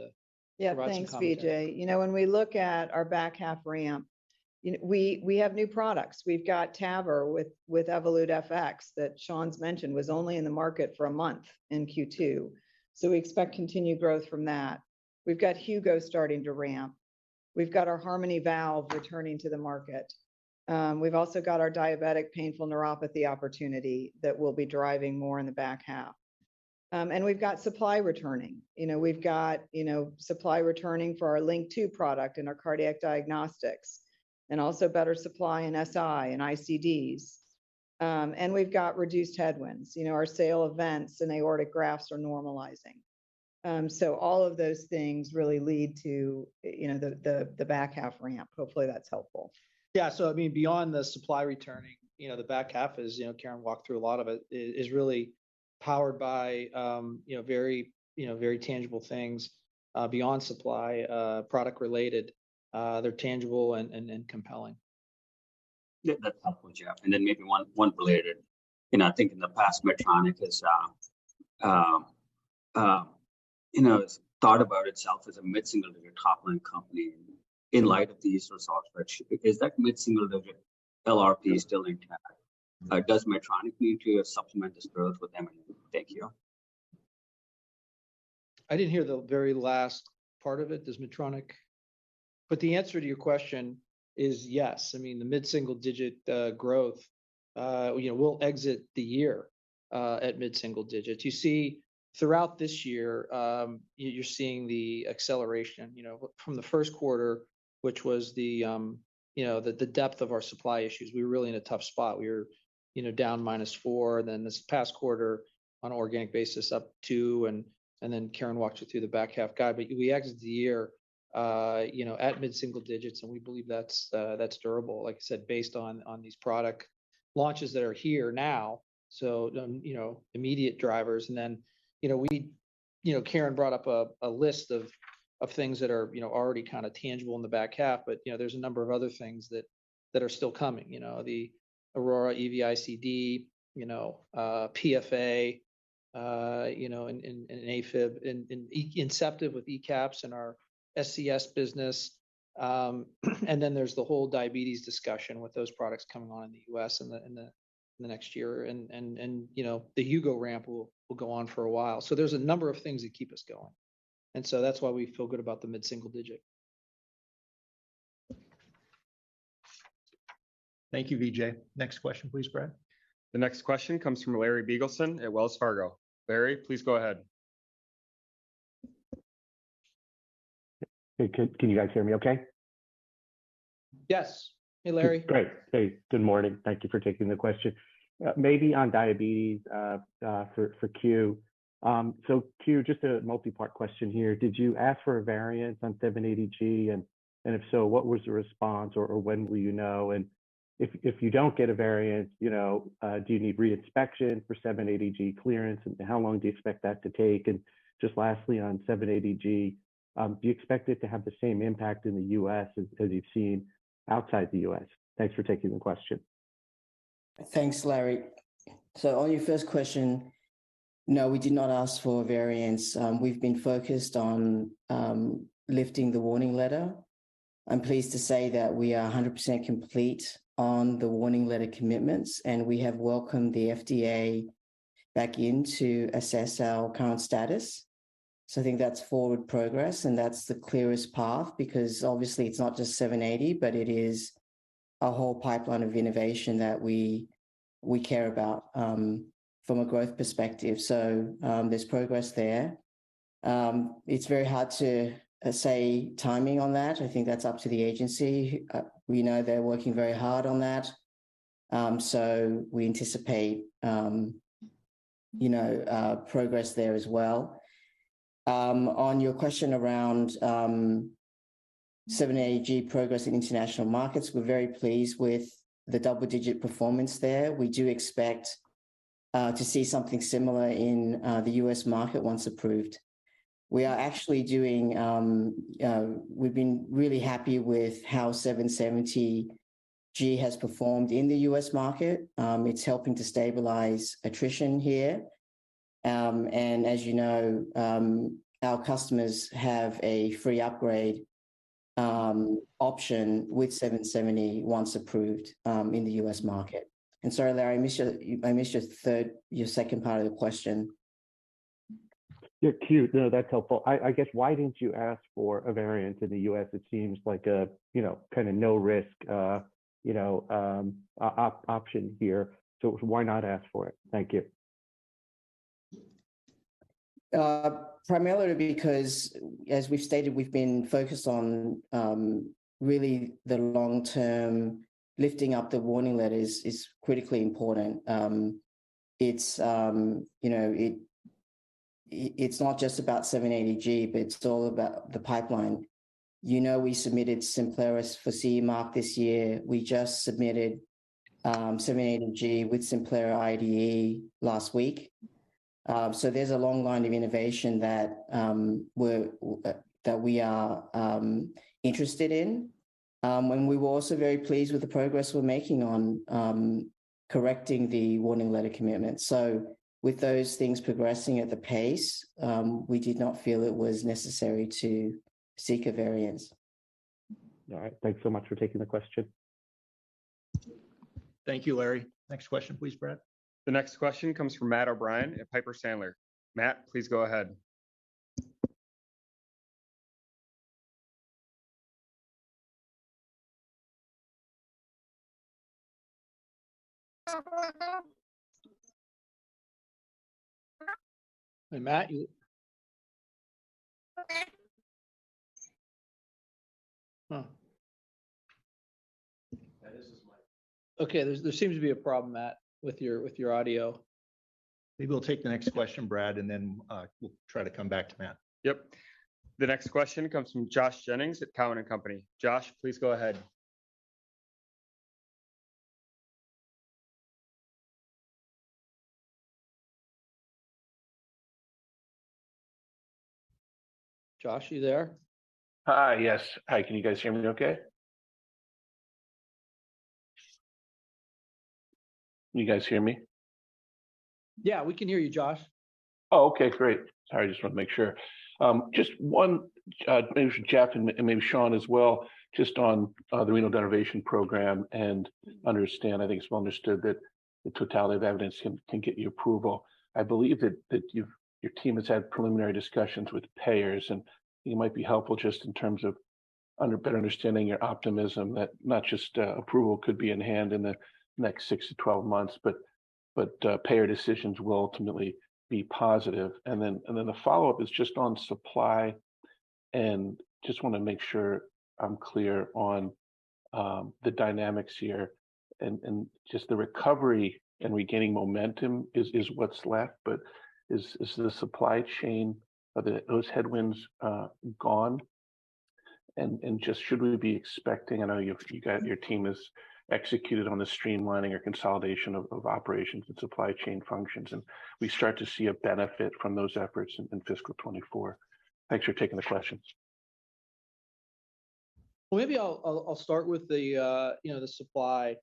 Yeah provide some comment. Thanks, Vijay. You know, when we look at our back half ramp, you know, we have new products. We've got TAVR with Evolut FX that Sean's mentioned, was only in the market for a month in Q2. We expect continued growth from that. We've got Hugo starting to ramp. We've got our Harmony valve returning to the market. We've also got our diabetic painful neuropathy opportunity that will be driving more in the back half. We've got supply returning. You know, we've got supply returning for our LINQ II product and our Cardiac Diagnostics, also better supply in SI and ICDs. We've got reduced headwinds. You know, our sale events and aortic grafts are normalizing. All of those things really lead to, you know, the back half ramp. Hopefully, that's helpful. Yeah. I mean, beyond the supply returning, you know, the back half is really powered by, you know, very tangible things, beyond supply, product related. They're tangible and compelling. Yeah, that's helpful, Geoff. Maybe one related. You know, I think in the past, Medtronic has, you know, thought about itself as a mid-single-digit top-line company in light of these results, which is that mid-single digit LRP still intact? Does Medtronic need to supplement this growth with M&A? Thank you. I didn't hear the very last part of it. Does Medtronic... The answer to your question is yes. I mean, the mid-single digit growth, you know, we'll exit the year at mid-single digits. You see, throughout this year, you're seeing the acceleration, you know, from the first quarter, which was the, you know, the depth of our supply issues. We were really in a tough spot. We were, you know, down minus four, then this past quarter on organic basis up two, then Karen walked you through the back half guide. We exit the year, you know, at mid-single digits, and we believe that's durable, like I said, based on these product launches that are here now, so, you know, immediate drivers. Then, you know, we... You know, Karen brought up a list of things that are, you know, already kind of tangible in the back half, but, you know, there's a number of other things that are still coming. You know, the Aurora EV-ICD, you know, PFA, you know, in AFib, in Inceptiv with ECAPs and our SCS business. Then there's the whole diabetes discussion with those products coming on in the U.S. in the next year. You know, the Hugo ramp will go on for a while. There's a number of things that keep us going, and so that's why we feel good about the mid-single digit. Thank you, Vijay. Next question, please, Brad. The next question comes from Larry Biegelsen at Wells Fargo. Larry, please go ahead. Hey, can you guys hear me okay? Yes. Hey, Larry. Great. Hey, good morning. Thank you for taking the question. maybe on diabetes for Q. Q, just a multi-part question here. Did you ask for a variance on 780G? And if so, what was the response, or when will you know? If you don't get a variance, you know, do you need re-inspection for 780G clearance? How long do you expect that to take? Just lastly, on 780G, do you expect it to have the same impact in the U.S. as you've seen outside the U.S.? Thanks for taking the question. Thanks, Larry. On your first question, no, we did not ask for a variance. We've been focused on lifting the Warning Letter. I'm pleased to say that we are 100% complete on the Warning Letter commitments, and we have welcomed the FDA back in to assess our current status. I think that's forward progress, and that's the clearest path because obviously it's not just 780, but it is a whole pipeline of innovation that we care about, from a growth perspective. There's progress there. It's very hard to say timing on that. I think that's up to the agency. We know they're working very hard on that, so we anticipate, you know, progress there as well. On your question around 780G progress in international markets, we're very pleased with the double-digit performance there. We do expect to see something similar in the U.S. market once approved. We've been really happy with how 770G has performed in the U.S. market. It's helping to stabilize attrition here. As you know, our customers have a free upgrade option with 770 once approved in the U.S. market. Sorry, Larry, I missed your second part of the question. Yeah, Q, no, that's helpful. I guess, why didn't you ask for a variance in the U.S.? It seems like a, you know, kind of no risk, you know, option here, why not ask for it? Thank you. Primarily because, as we've stated, we've been focused on really the long term. Lifting up the Warning Letter is critically important. You know, it's not just about 780G, but it's all about the pipeline. You know, we submitted Simplera for CE mark this year. We just submitted 780G with Simplera IDE last week. There's a long line of innovation that we are interested in. We were also very pleased with the progress we're making on correcting the Warning Letter commitment. With those things progressing at the pace, we did not feel it was necessary to seek a variance. All right. Thanks so much for taking the question. Thank you, Larry. Next question, please, Brad. The next question comes from Matt O'Brien at Piper Sandler. Matt, please go ahead. Hey, Matt. Matt. Huh. Matt is his Okay. There seems to be a problem, Matt, with your audio. Maybe we'll take the next question, Brad, and then we'll try to come back to Matt. Yep. The next question comes from Josh Jennings at Cowen and Company. Josh, please go ahead. Josh, you there? Hi. Yes. Hi, can you guys hear me okay? Can you guys hear me? Yeah, we can hear you, Josh. Oh, okay. Great. Sorry, I just wanted to make sure. Just one, maybe for Geoff and maybe Sean as well, just on the renal denervation program. I think it's well understood that the totality of evidence can get you approval. I believe that your team has had preliminary discussions with payers, and you might be helpful just in terms of better understanding your optimism that not just approval could be in hand in the next 6-12 months, but payer decisions will ultimately be positive. The follow-up is just on supply, and just wanna make sure I'm clear on the dynamics here and just the recovery and regaining momentum is what's left, but is the supply chain, are those headwinds gone? Just should we be expecting... I know your team has executed on the streamlining or consolidation of operations and supply chain functions, and we start to see a benefit from those efforts in fiscal 2024. Thanks for taking the questions. Well, maybe I'll start with the, you know, the supply,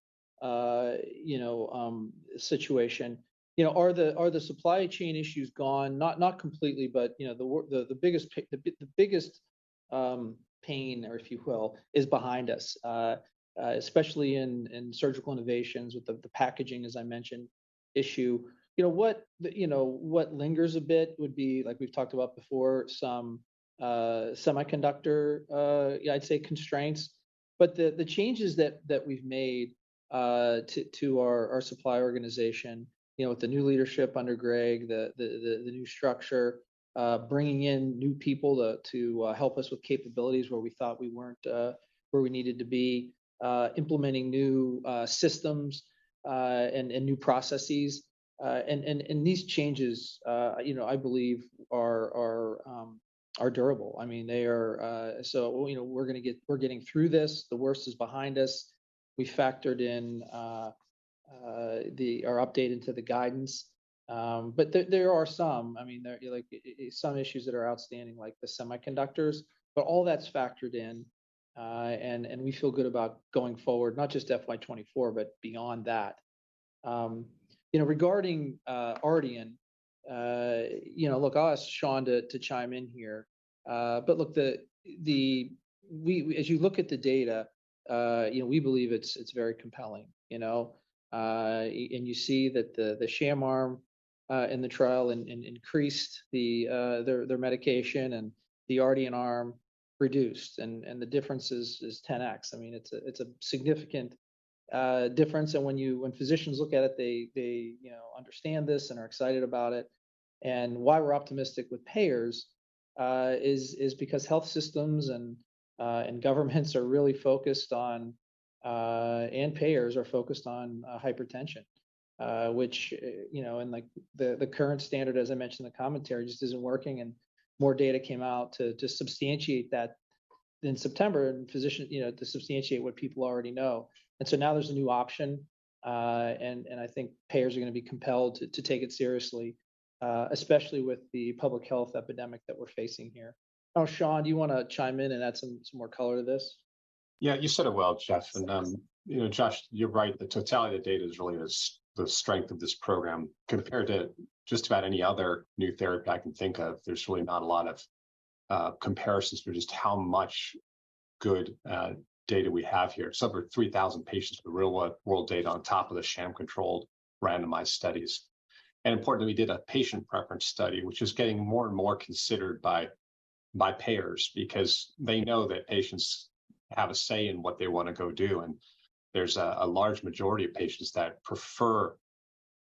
you know, situation. You know, are the supply chain issues gone? Not completely, but, you know, the biggest pain, or if you will, is behind us, especially in Surgical Innovations with the packaging, as I mentioned, issue. You know what, you know, what lingers a bit would be, like we've talked about before, some semiconductor, I'd say constraints. The changes that we've made, to our supply organization, you know, with the new leadership under Greg, the new structure, bringing in new people to help us with capabilities where we thought we weren't, where we needed to be, implementing new systems and new processes. These changes, you know, I believe are durable. I mean, they are. You know, we're getting through this. The worst is behind us. We factored in, or updated to the guidance. There are some, I mean, like, some issues that are outstanding, like the semiconductors. All that's factored in, and we feel good about going forward, not just FY 2024, but beyond that. You know, regarding Ardian, you know, look, I'll ask Sean to chime in here. But look, as you look at the data, you know, we believe it's very compelling, you know. And you see that the sham arm in the trial increased the medication, and the Ardian arm reduced, and the difference is 10x. I mean, it's a significant difference. And when physicians look at it, they, you know, understand this and are excited about it. Why we're optimistic with payers, is because health systems and governments are really focused on, and payers are focused on, hypertension, which, you know, and, like, the current standard, as I mentioned in the commentary, just isn't working, and more data came out to substantiate that in September, physicians, you know, to substantiate what people already know. Now there's a new option, and I think payers are gonna be compelled to take it seriously, especially with the public health epidemic that we're facing here. Sean, do you wanna chime in and add some more color to this? Yeah, you said it well, Geoff. Josh, you're right. The totality of the data is really the strength of this program. Compared to just about any other new therapy I can think of, there's really not a lot of comparisons to just how much good data we have here. For 3,000 patients with real world data on top of the sham-controlled randomized studies. Importantly, we did a patient preference study, which is getting more and more considered by payers because they know that patients have a say in what they wanna go do. There's a large majority of patients that prefer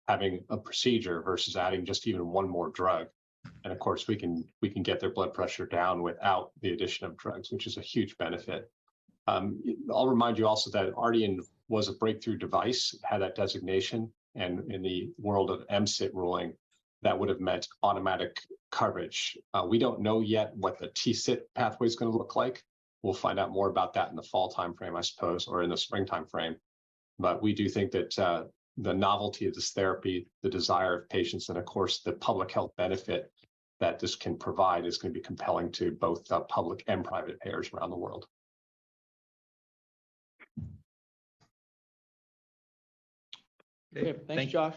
having a procedure versus adding just even one more drug. Of course, we can get their blood pressure down without the addition of drugs, which is a huge benefit. I'll remind you also that Ardian was a Breakthrough Device, had that designation, and in the world of MCIT ruling, that would have meant automatic coverage. We don't know yet what the TCET pathway's gonna look like. We'll find out more about that in the fall timeframe, I suppose, or in the spring timeframe. We do think that, the novelty of this therapy, the desire of patients, and of course, the public health benefit that this can provide is going to be compelling to both, public and private payers around the world. Okay. Thanks, Josh.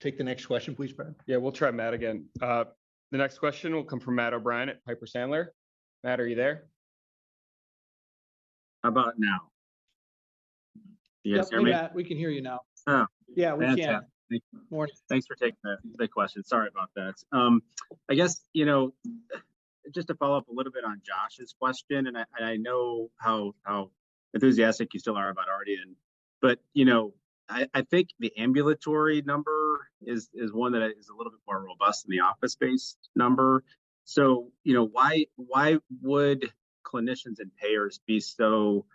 Take the next question, please, Brad. Yeah, we'll try Matt again. The next question will come from Matt O'Brien at Piper Sandler. Matt, are you there? How about now? Can you guys hear me? Yep. We can hear you now. Oh. Yeah, we can. Fantastic. Thank you. Go on. Thanks for taking the question. Sorry about that. I guess, you know, just to follow up a little bit on Josh's question, and I know how enthusiastic you still are about Ardian, but, you know, I is a little bit more robust than the office-based number. You know, why would clinicians and payers be so,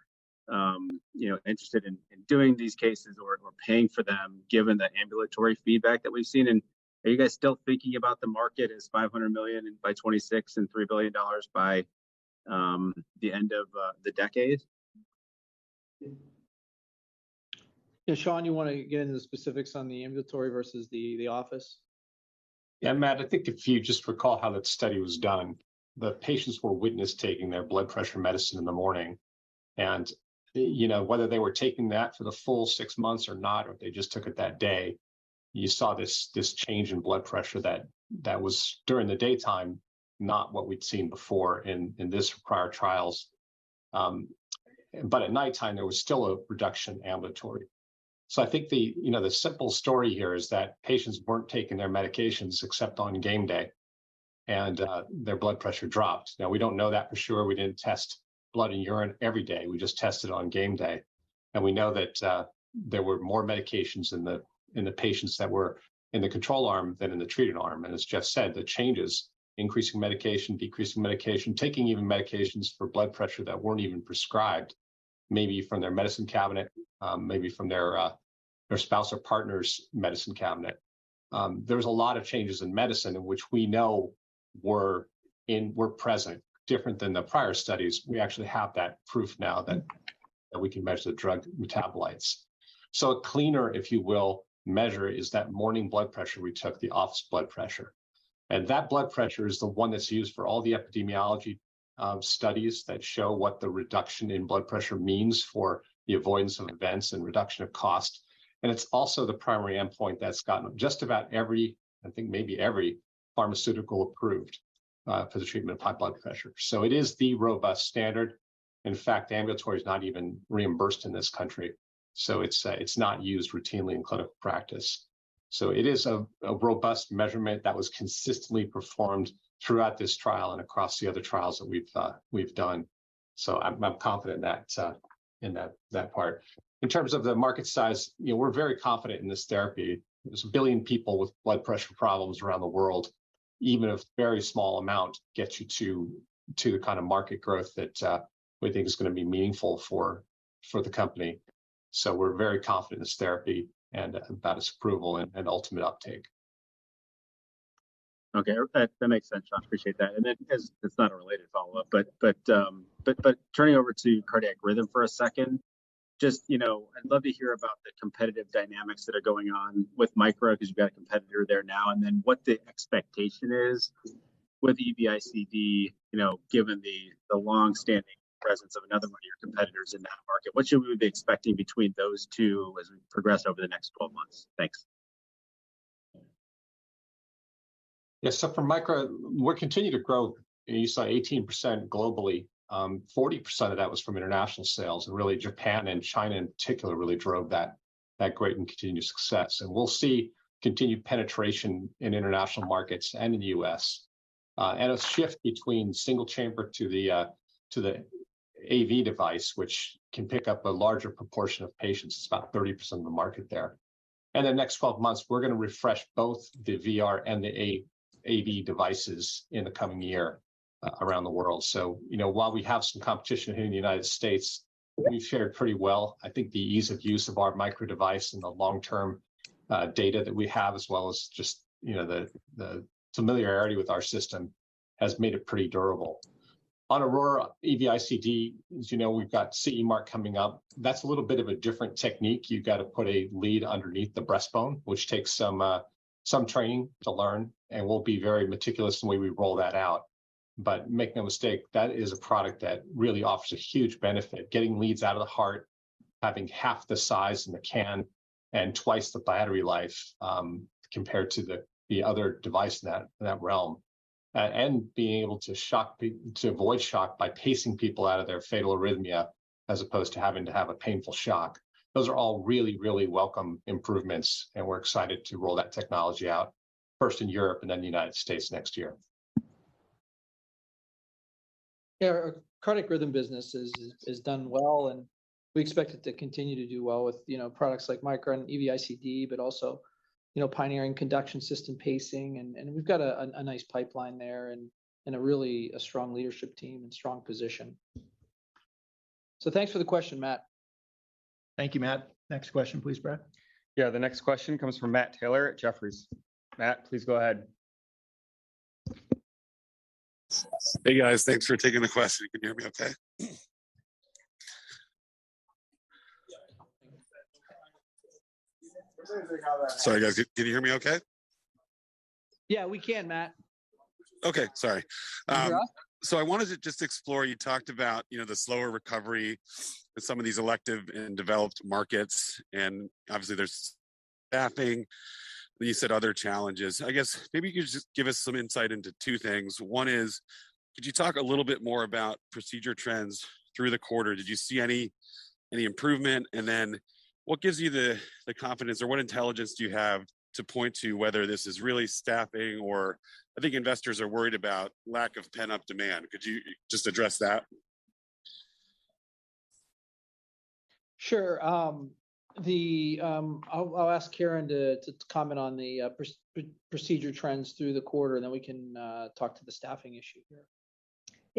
you know, interested in doing these cases or paying for them given the ambulatory feedback that we've seen? Are you guys still thinking about the market as $500 million by 2026 and $3 billion by the end of the decade? Yeah, Sean, you wanna get into the specifics on the ambulatory versus the office? Yeah, Matt, I think if you just recall how that study was done, the patients were witnessed taking their blood pressure medicine in the morning. You know, whether they were taking that for the full six months or not, or if they just took it that day, you saw this change in blood pressure that was during the daytime, not what we'd seen before in this prior trials. At nighttime, there was still a reduction ambulatory. I think the, you know, the simple story here is that patients weren't taking their medications except on game day, and their blood pressure dropped. Now, we don't know that for sure. We didn't test blood and urine every day. We just tested on game day. We know that there were more medications in the patients that were in the control arm than in the treated arm. As Geoff said, the changes, increasing medication, decreasing medication, taking even medications for blood pressure that weren't even prescribed, maybe from their medicine cabinet, maybe from their spouse or partner's medicine cabinet. There was a lot of changes in medicine in which we know were present, different than the prior studies. We actually have that proof now that we can measure the drug metabolites. A cleaner, if you will, measure is that morning blood pressure we took, the office blood pressure. That blood pressure is the one that's used for all the epidemiology studies that show what the reduction in blood pressure means for the avoidance of events and reduction of cost. It's also the primary endpoint that's gotten just about every, I think maybe every pharmaceutical approved for the treatment of high blood pressure. It is the robust standard. In fact, ambulatory is not even reimbursed in this country, so it's not used routinely in clinical practice. It is a robust measurement that was consistently performed throughout this trial and across the other trials that we've done. I'm confident in that part. In terms of the market size, you know, we're very confident in this therapy. There's 1 billion people with blood pressure problems around the world. Even a very small amount gets you to the kind of market growth that we think is gonna be meaningful for the company. We're very confident in this therapy and about its approval and ultimate uptake. Okay. That makes sense, Sean. Appreciate that. Then as it's not a related follow-up, but turning over to cardiac rhythm for a second, just, you know, I'd love to hear about the competitive dynamics that are going on with Micra because you've got a competitor there now, and then what the expectation is with EVICD, you know, given the longstanding presence of another one of your competitors in that market. What should we be expecting between those two as we progress over the next 12 months? Thanks. Yeah. For Micra, we're continuing to grow. You saw 18% globally, 40% of that was from international sales, and really Japan and China in particular really drove that great and continued success. We'll see continued penetration in international markets and in the U.S., and a shift between single chamber to the AV device, which can pick up a larger proportion of patients. It's about 30% of the market there. In the next 12 months, we're gonna refresh both the VR and the AV devices in the coming year, around the world. You know, while we have some competition here in the United States, we've fared pretty well. I think the ease of use of our Micra device and the long-term data that we have, as well as just, you know, the familiarity with our system has made it pretty durable. Aurora EV-ICD, as you know, we've got CE mark coming up. That's a little bit of a different technique. You've got to put a lead underneath the breastbone, which takes some training to learn, and we'll be very meticulous in the way we roll that out. Make no mistake, that is a product that really offers a huge benefit, getting leads out of the heart, having half the size in the can and twice the battery life, compared to the other device in that realm, and being able to avoid shock by pacing people out of their fatal arrhythmia as opposed to having to have a painful shock. Those are all really welcome improvements. We're excited to roll that technology out, first in Europe and then the United States next year. Yeah. Our Cardiac Rhythm business has done well. We expect it to continue to do well with, you know, products like Micra and EVICD, but also. You know, pioneering conduction system pacing and we've got a nice pipeline there and a really strong leadership team and strong position. Thanks for the question, Matt. Thank you, Matt. Next question please, Brad. Yeah, the next question comes from Matt Taylor at Jefferies. Matt, please go ahead. Hey, guys. Thanks for taking the question. Can you hear me okay? Sorry, guys. Can you hear me okay? Yeah, we can, Matt. Okay, sorry. There you go. I wanted to just explore, you talked about, you know, the slower recovery in some of these elective and developed markets, and obviously there's staffing, but you said other challenges. I guess maybe you could just give us some insight into two things. One is, could you talk a little bit more about procedure trends through the quarter? Did you see any improvement? What gives you the confidence or what intelligence do you have to point to whether this is really staffing or. I think investors are worried about lack of pent-up demand. Could you just address that? Sure. I'll ask Karen to comment on the procedure trends through the quarter and then we can talk to the staffing issue here.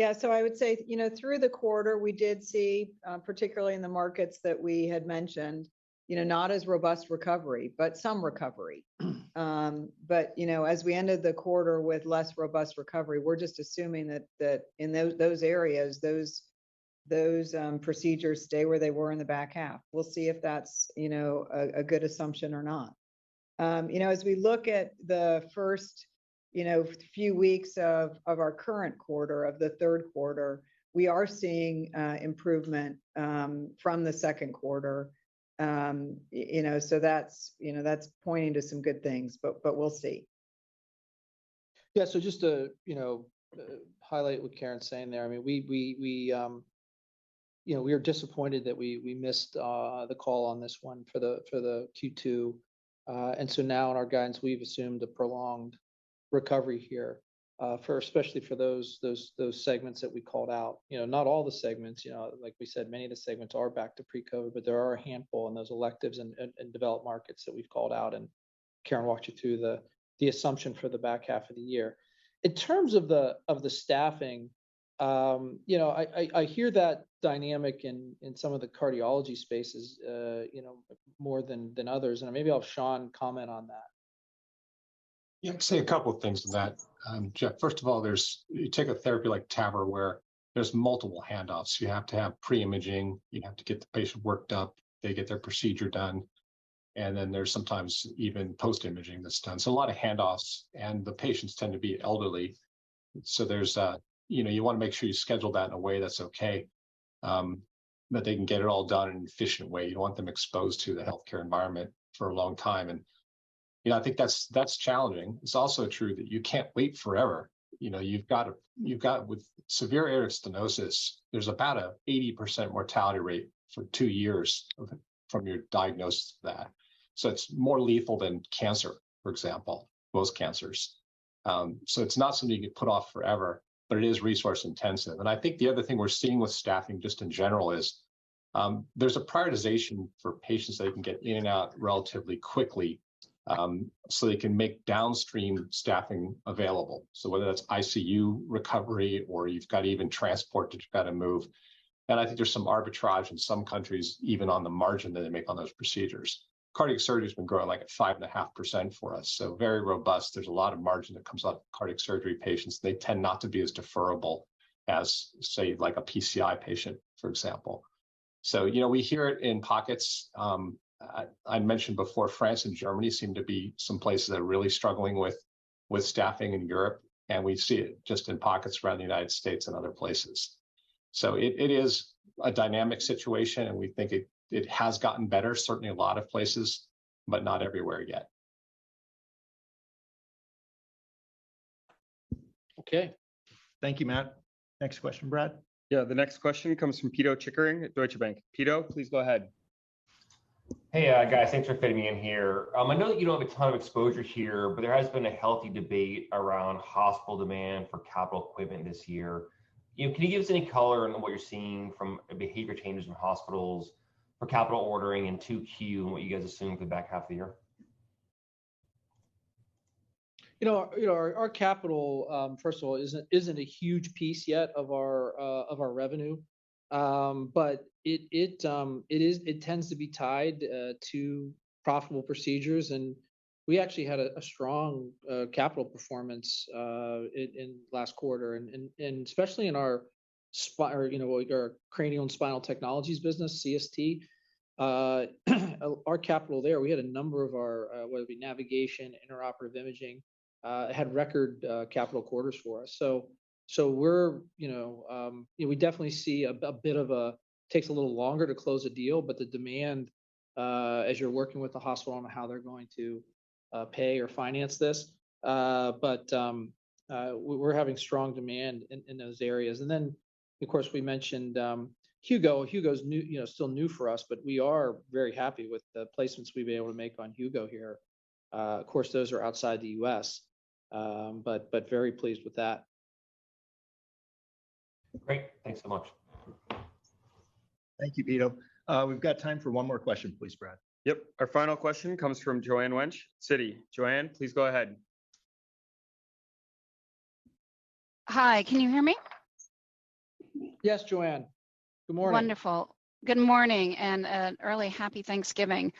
I would say, you know, through the quarter, we did see, particularly in the markets that we had mentioned, you know, not as robust recovery, but some recovery. As we ended the quarter with less robust recovery, we're just assuming that in those areas, those procedures stay where they were in the back half. We'll see if that's, you know, a good assumption or not. You know, as we look at the first, you know, few weeks of our current quarter, of the third quarter, we are seeing improvement from the second quarter. You know, that's, you know, that's pointing to some good things, but we'll see. Just to, you know, highlight what Karen's saying there, I mean, we, you know, we are disappointed that we missed the call on this one for the Q2. Now in our guidance, we've assumed a prolonged recovery here for, especially for those segments that we called out. You know, not all the segments, you know. Like we said, many of the segments are back to pre-COVID, but there are a handful in those electives and developed markets that we've called out, and Karen walked you through the assumption for the back half of the year. In terms of the staffing, you know, I hear that dynamic in some of the cardiology spaces, you know, more than others, and maybe I'll have Sean comment on that. Yeah. I can say a couple of things to that, Geoff. First of all, there's. You take a therapy like TAVR where there's multiple handoffs. You have to have pre-imaging, you have to get the patient worked up, they get their procedure done, and then there's sometimes even post-imaging that's done. A lot of handoffs, and the patients tend to be elderly, so there's, you know, you wanna make sure you schedule that in a way that's okay, that they can get it all done in an efficient way. You don't want them exposed to the healthcare environment for a long time and, you know, I think that's challenging. It's also true that you can't wait forever. You know, you've got with severe aortic stenosis, there's about a 80% mortality rate for 2 years of, from your diagnosis to that. It's more lethal than cancer, for example, most cancers. It's not something you can put off forever, but it is resource intensive. I think the other thing we're seeing with staffing just in general is there's a prioritization for patients that can get in and out relatively quickly, so they can make downstream staffing available. Whether that's ICU recovery or you've got even transport to kind of move. I think there's some arbitrage in some countries, even on the margin that they make on those procedures. Cardiac surgery's been growing, like, at 5.5% for us, so very robust. There's a lot of margin that comes out of cardiac surgery patients. They tend not to be as deferrable as, say, like, a PCI patient, for example. You know, we hear it in pockets. I'd mentioned before, France and Germany seem to be some places that are really struggling with staffing in Europe. We see it just in pockets around the United States and other places. It is a dynamic situation. We think it has gotten better, certainly a lot of places, but not everywhere yet. Okay. Thank you, Matt. Next question, Brad. Yeah, the next question comes from Pito Chickering at Deutsche Bank. Pito, please go ahead. Hey, guys. Thanks for fitting me in here. I know that you don't have a ton of exposure here, but there has been a healthy debate around hospital demand for capital equipment this year. You know, can you give us any color on what you're seeing from behavior changes in hospitals for capital ordering in 2Q and what you guys assume for the back half of the year? You know, our capital, first of all, isn't a huge piece yet of our revenue. It tends to be tied to profitable procedures, and we actually had a strong capital performance in last quarter. Especially in our or, you know, our Cranial & Spinal Technologies business, CST. Our capital there, we had a number of our, whether it be navigation, intraoperative imaging, had record capital quarters for us. We're, you know, we definitely see a bit of a takes a little longer to close a deal, the demand, as you're working with the hospital on how they're going to pay or finance this. We're having strong demand in those areas. Of course, we mentioned, Hugo. Hugo's new, you know, still new for us, but we are very happy with the placements we've been able to make on Hugo here. Of course, those are outside the U.S., but very pleased with that. Great. Thanks so much. Thank you, Pito. We've got time for one more question, please, Brad. Yep. Our final question comes from Joanne Wuensch, Citi. Joanne, please go ahead. Hi, can you hear me? Yes, Joanne. Good morning. Wonderful. Good morning and an early happy Thanksgiving.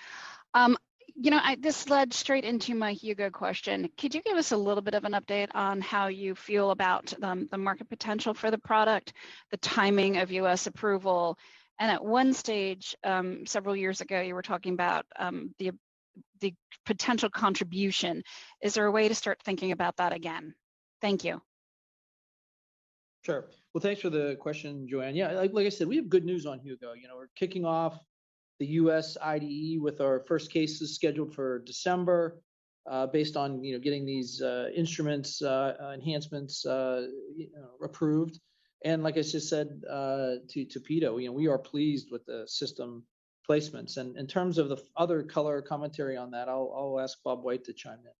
You know, this led straight into my Hugo question. Could you give us a little bit of an update on how you feel about the market potential for the product, the timing of U.S. approval? At one stage, several years ago, you were talking about, the potential contribution. Is there a way to start thinking about that again? Thank you. Sure. Well, thanks for the question, Joanne. Yeah, like I said, we have good news on Hugo. You know, we're kicking off the U.S. IDE with our first cases scheduled for December, based on, you know, getting these instruments, enhancements, you know, approved. And like I just said, to Pito, you know, we are pleased with the system placements. And in terms of the other color commentary on that, I'll ask Bob White to chime in.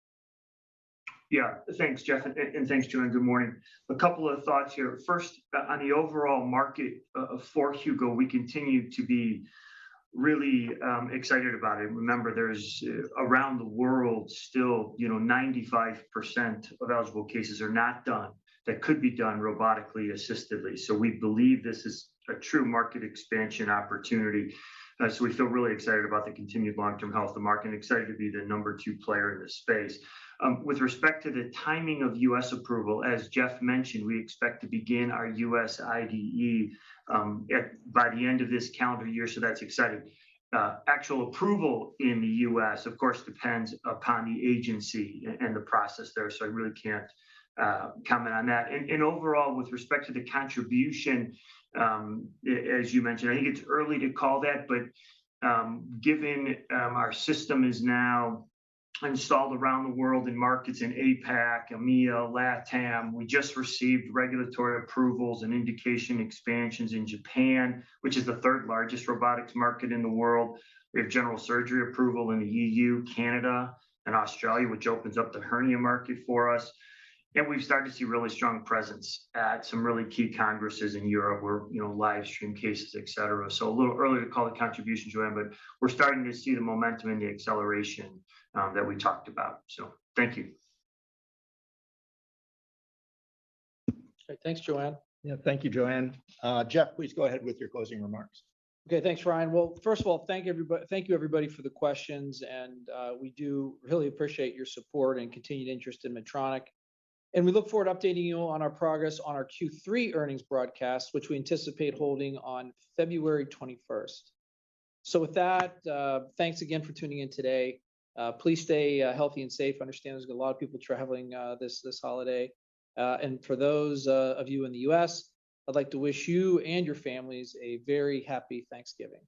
Yeah. Thanks, Geoff, and thanks, Joanne. Good morning. A couple of thoughts here. First, on the overall market for Hugo, we continue to be really excited about it. Remember, there's around the world still, you know, 95% of eligible cases are not done that could be done robotically assisted. We believe this is a true market expansion opportunity. We feel really excited about the continued long-term health of the market, and excited to be the number two player in this space. With respect to the timing of U.S. approval, as Geoff mentioned, we expect to begin our U.S. IDE by the end of this calendar year, so that's exciting. Actual approval in the U.S., of course, depends upon the agency and the process there, so I really can't comment on that. Overall, with respect to the contribution, as you mentioned, I think it's early to call that. Given our system is now installed around the world in markets in APAC, EMEA, LATAM. We just received regulatory approvals and indication expansions in Japan, which is the third largest robotics market in the world. We have general surgery approval in the EU, Canada, and Australia, which opens up the hernia market for us. We've started to see really strong presence at some really key congresses in Europe where, you know, live stream cases, et cetera. A little early to call it contribution, Joanne, but we're starting to see the momentum and the acceleration that we talked about. Thank you. Okay. Thanks, Joanne. Yeah. Thank you, Joanne. Geoff, please go ahead with your closing remarks. Okay. Thanks, Ryan. Well, first of all, thank you, everybody, for the questions. We do really appreciate your support and continued interest in Medtronic. We look forward to updating you on our progress on our Q3 earnings broadcast, which we anticipate holding on February 21st. With that, thanks again for tuning in today. Please stay healthy and safe. I understand there's a lot of people traveling this holiday. For those of you in the U.S., I'd like to wish you and your families a very happy Thanksgiving.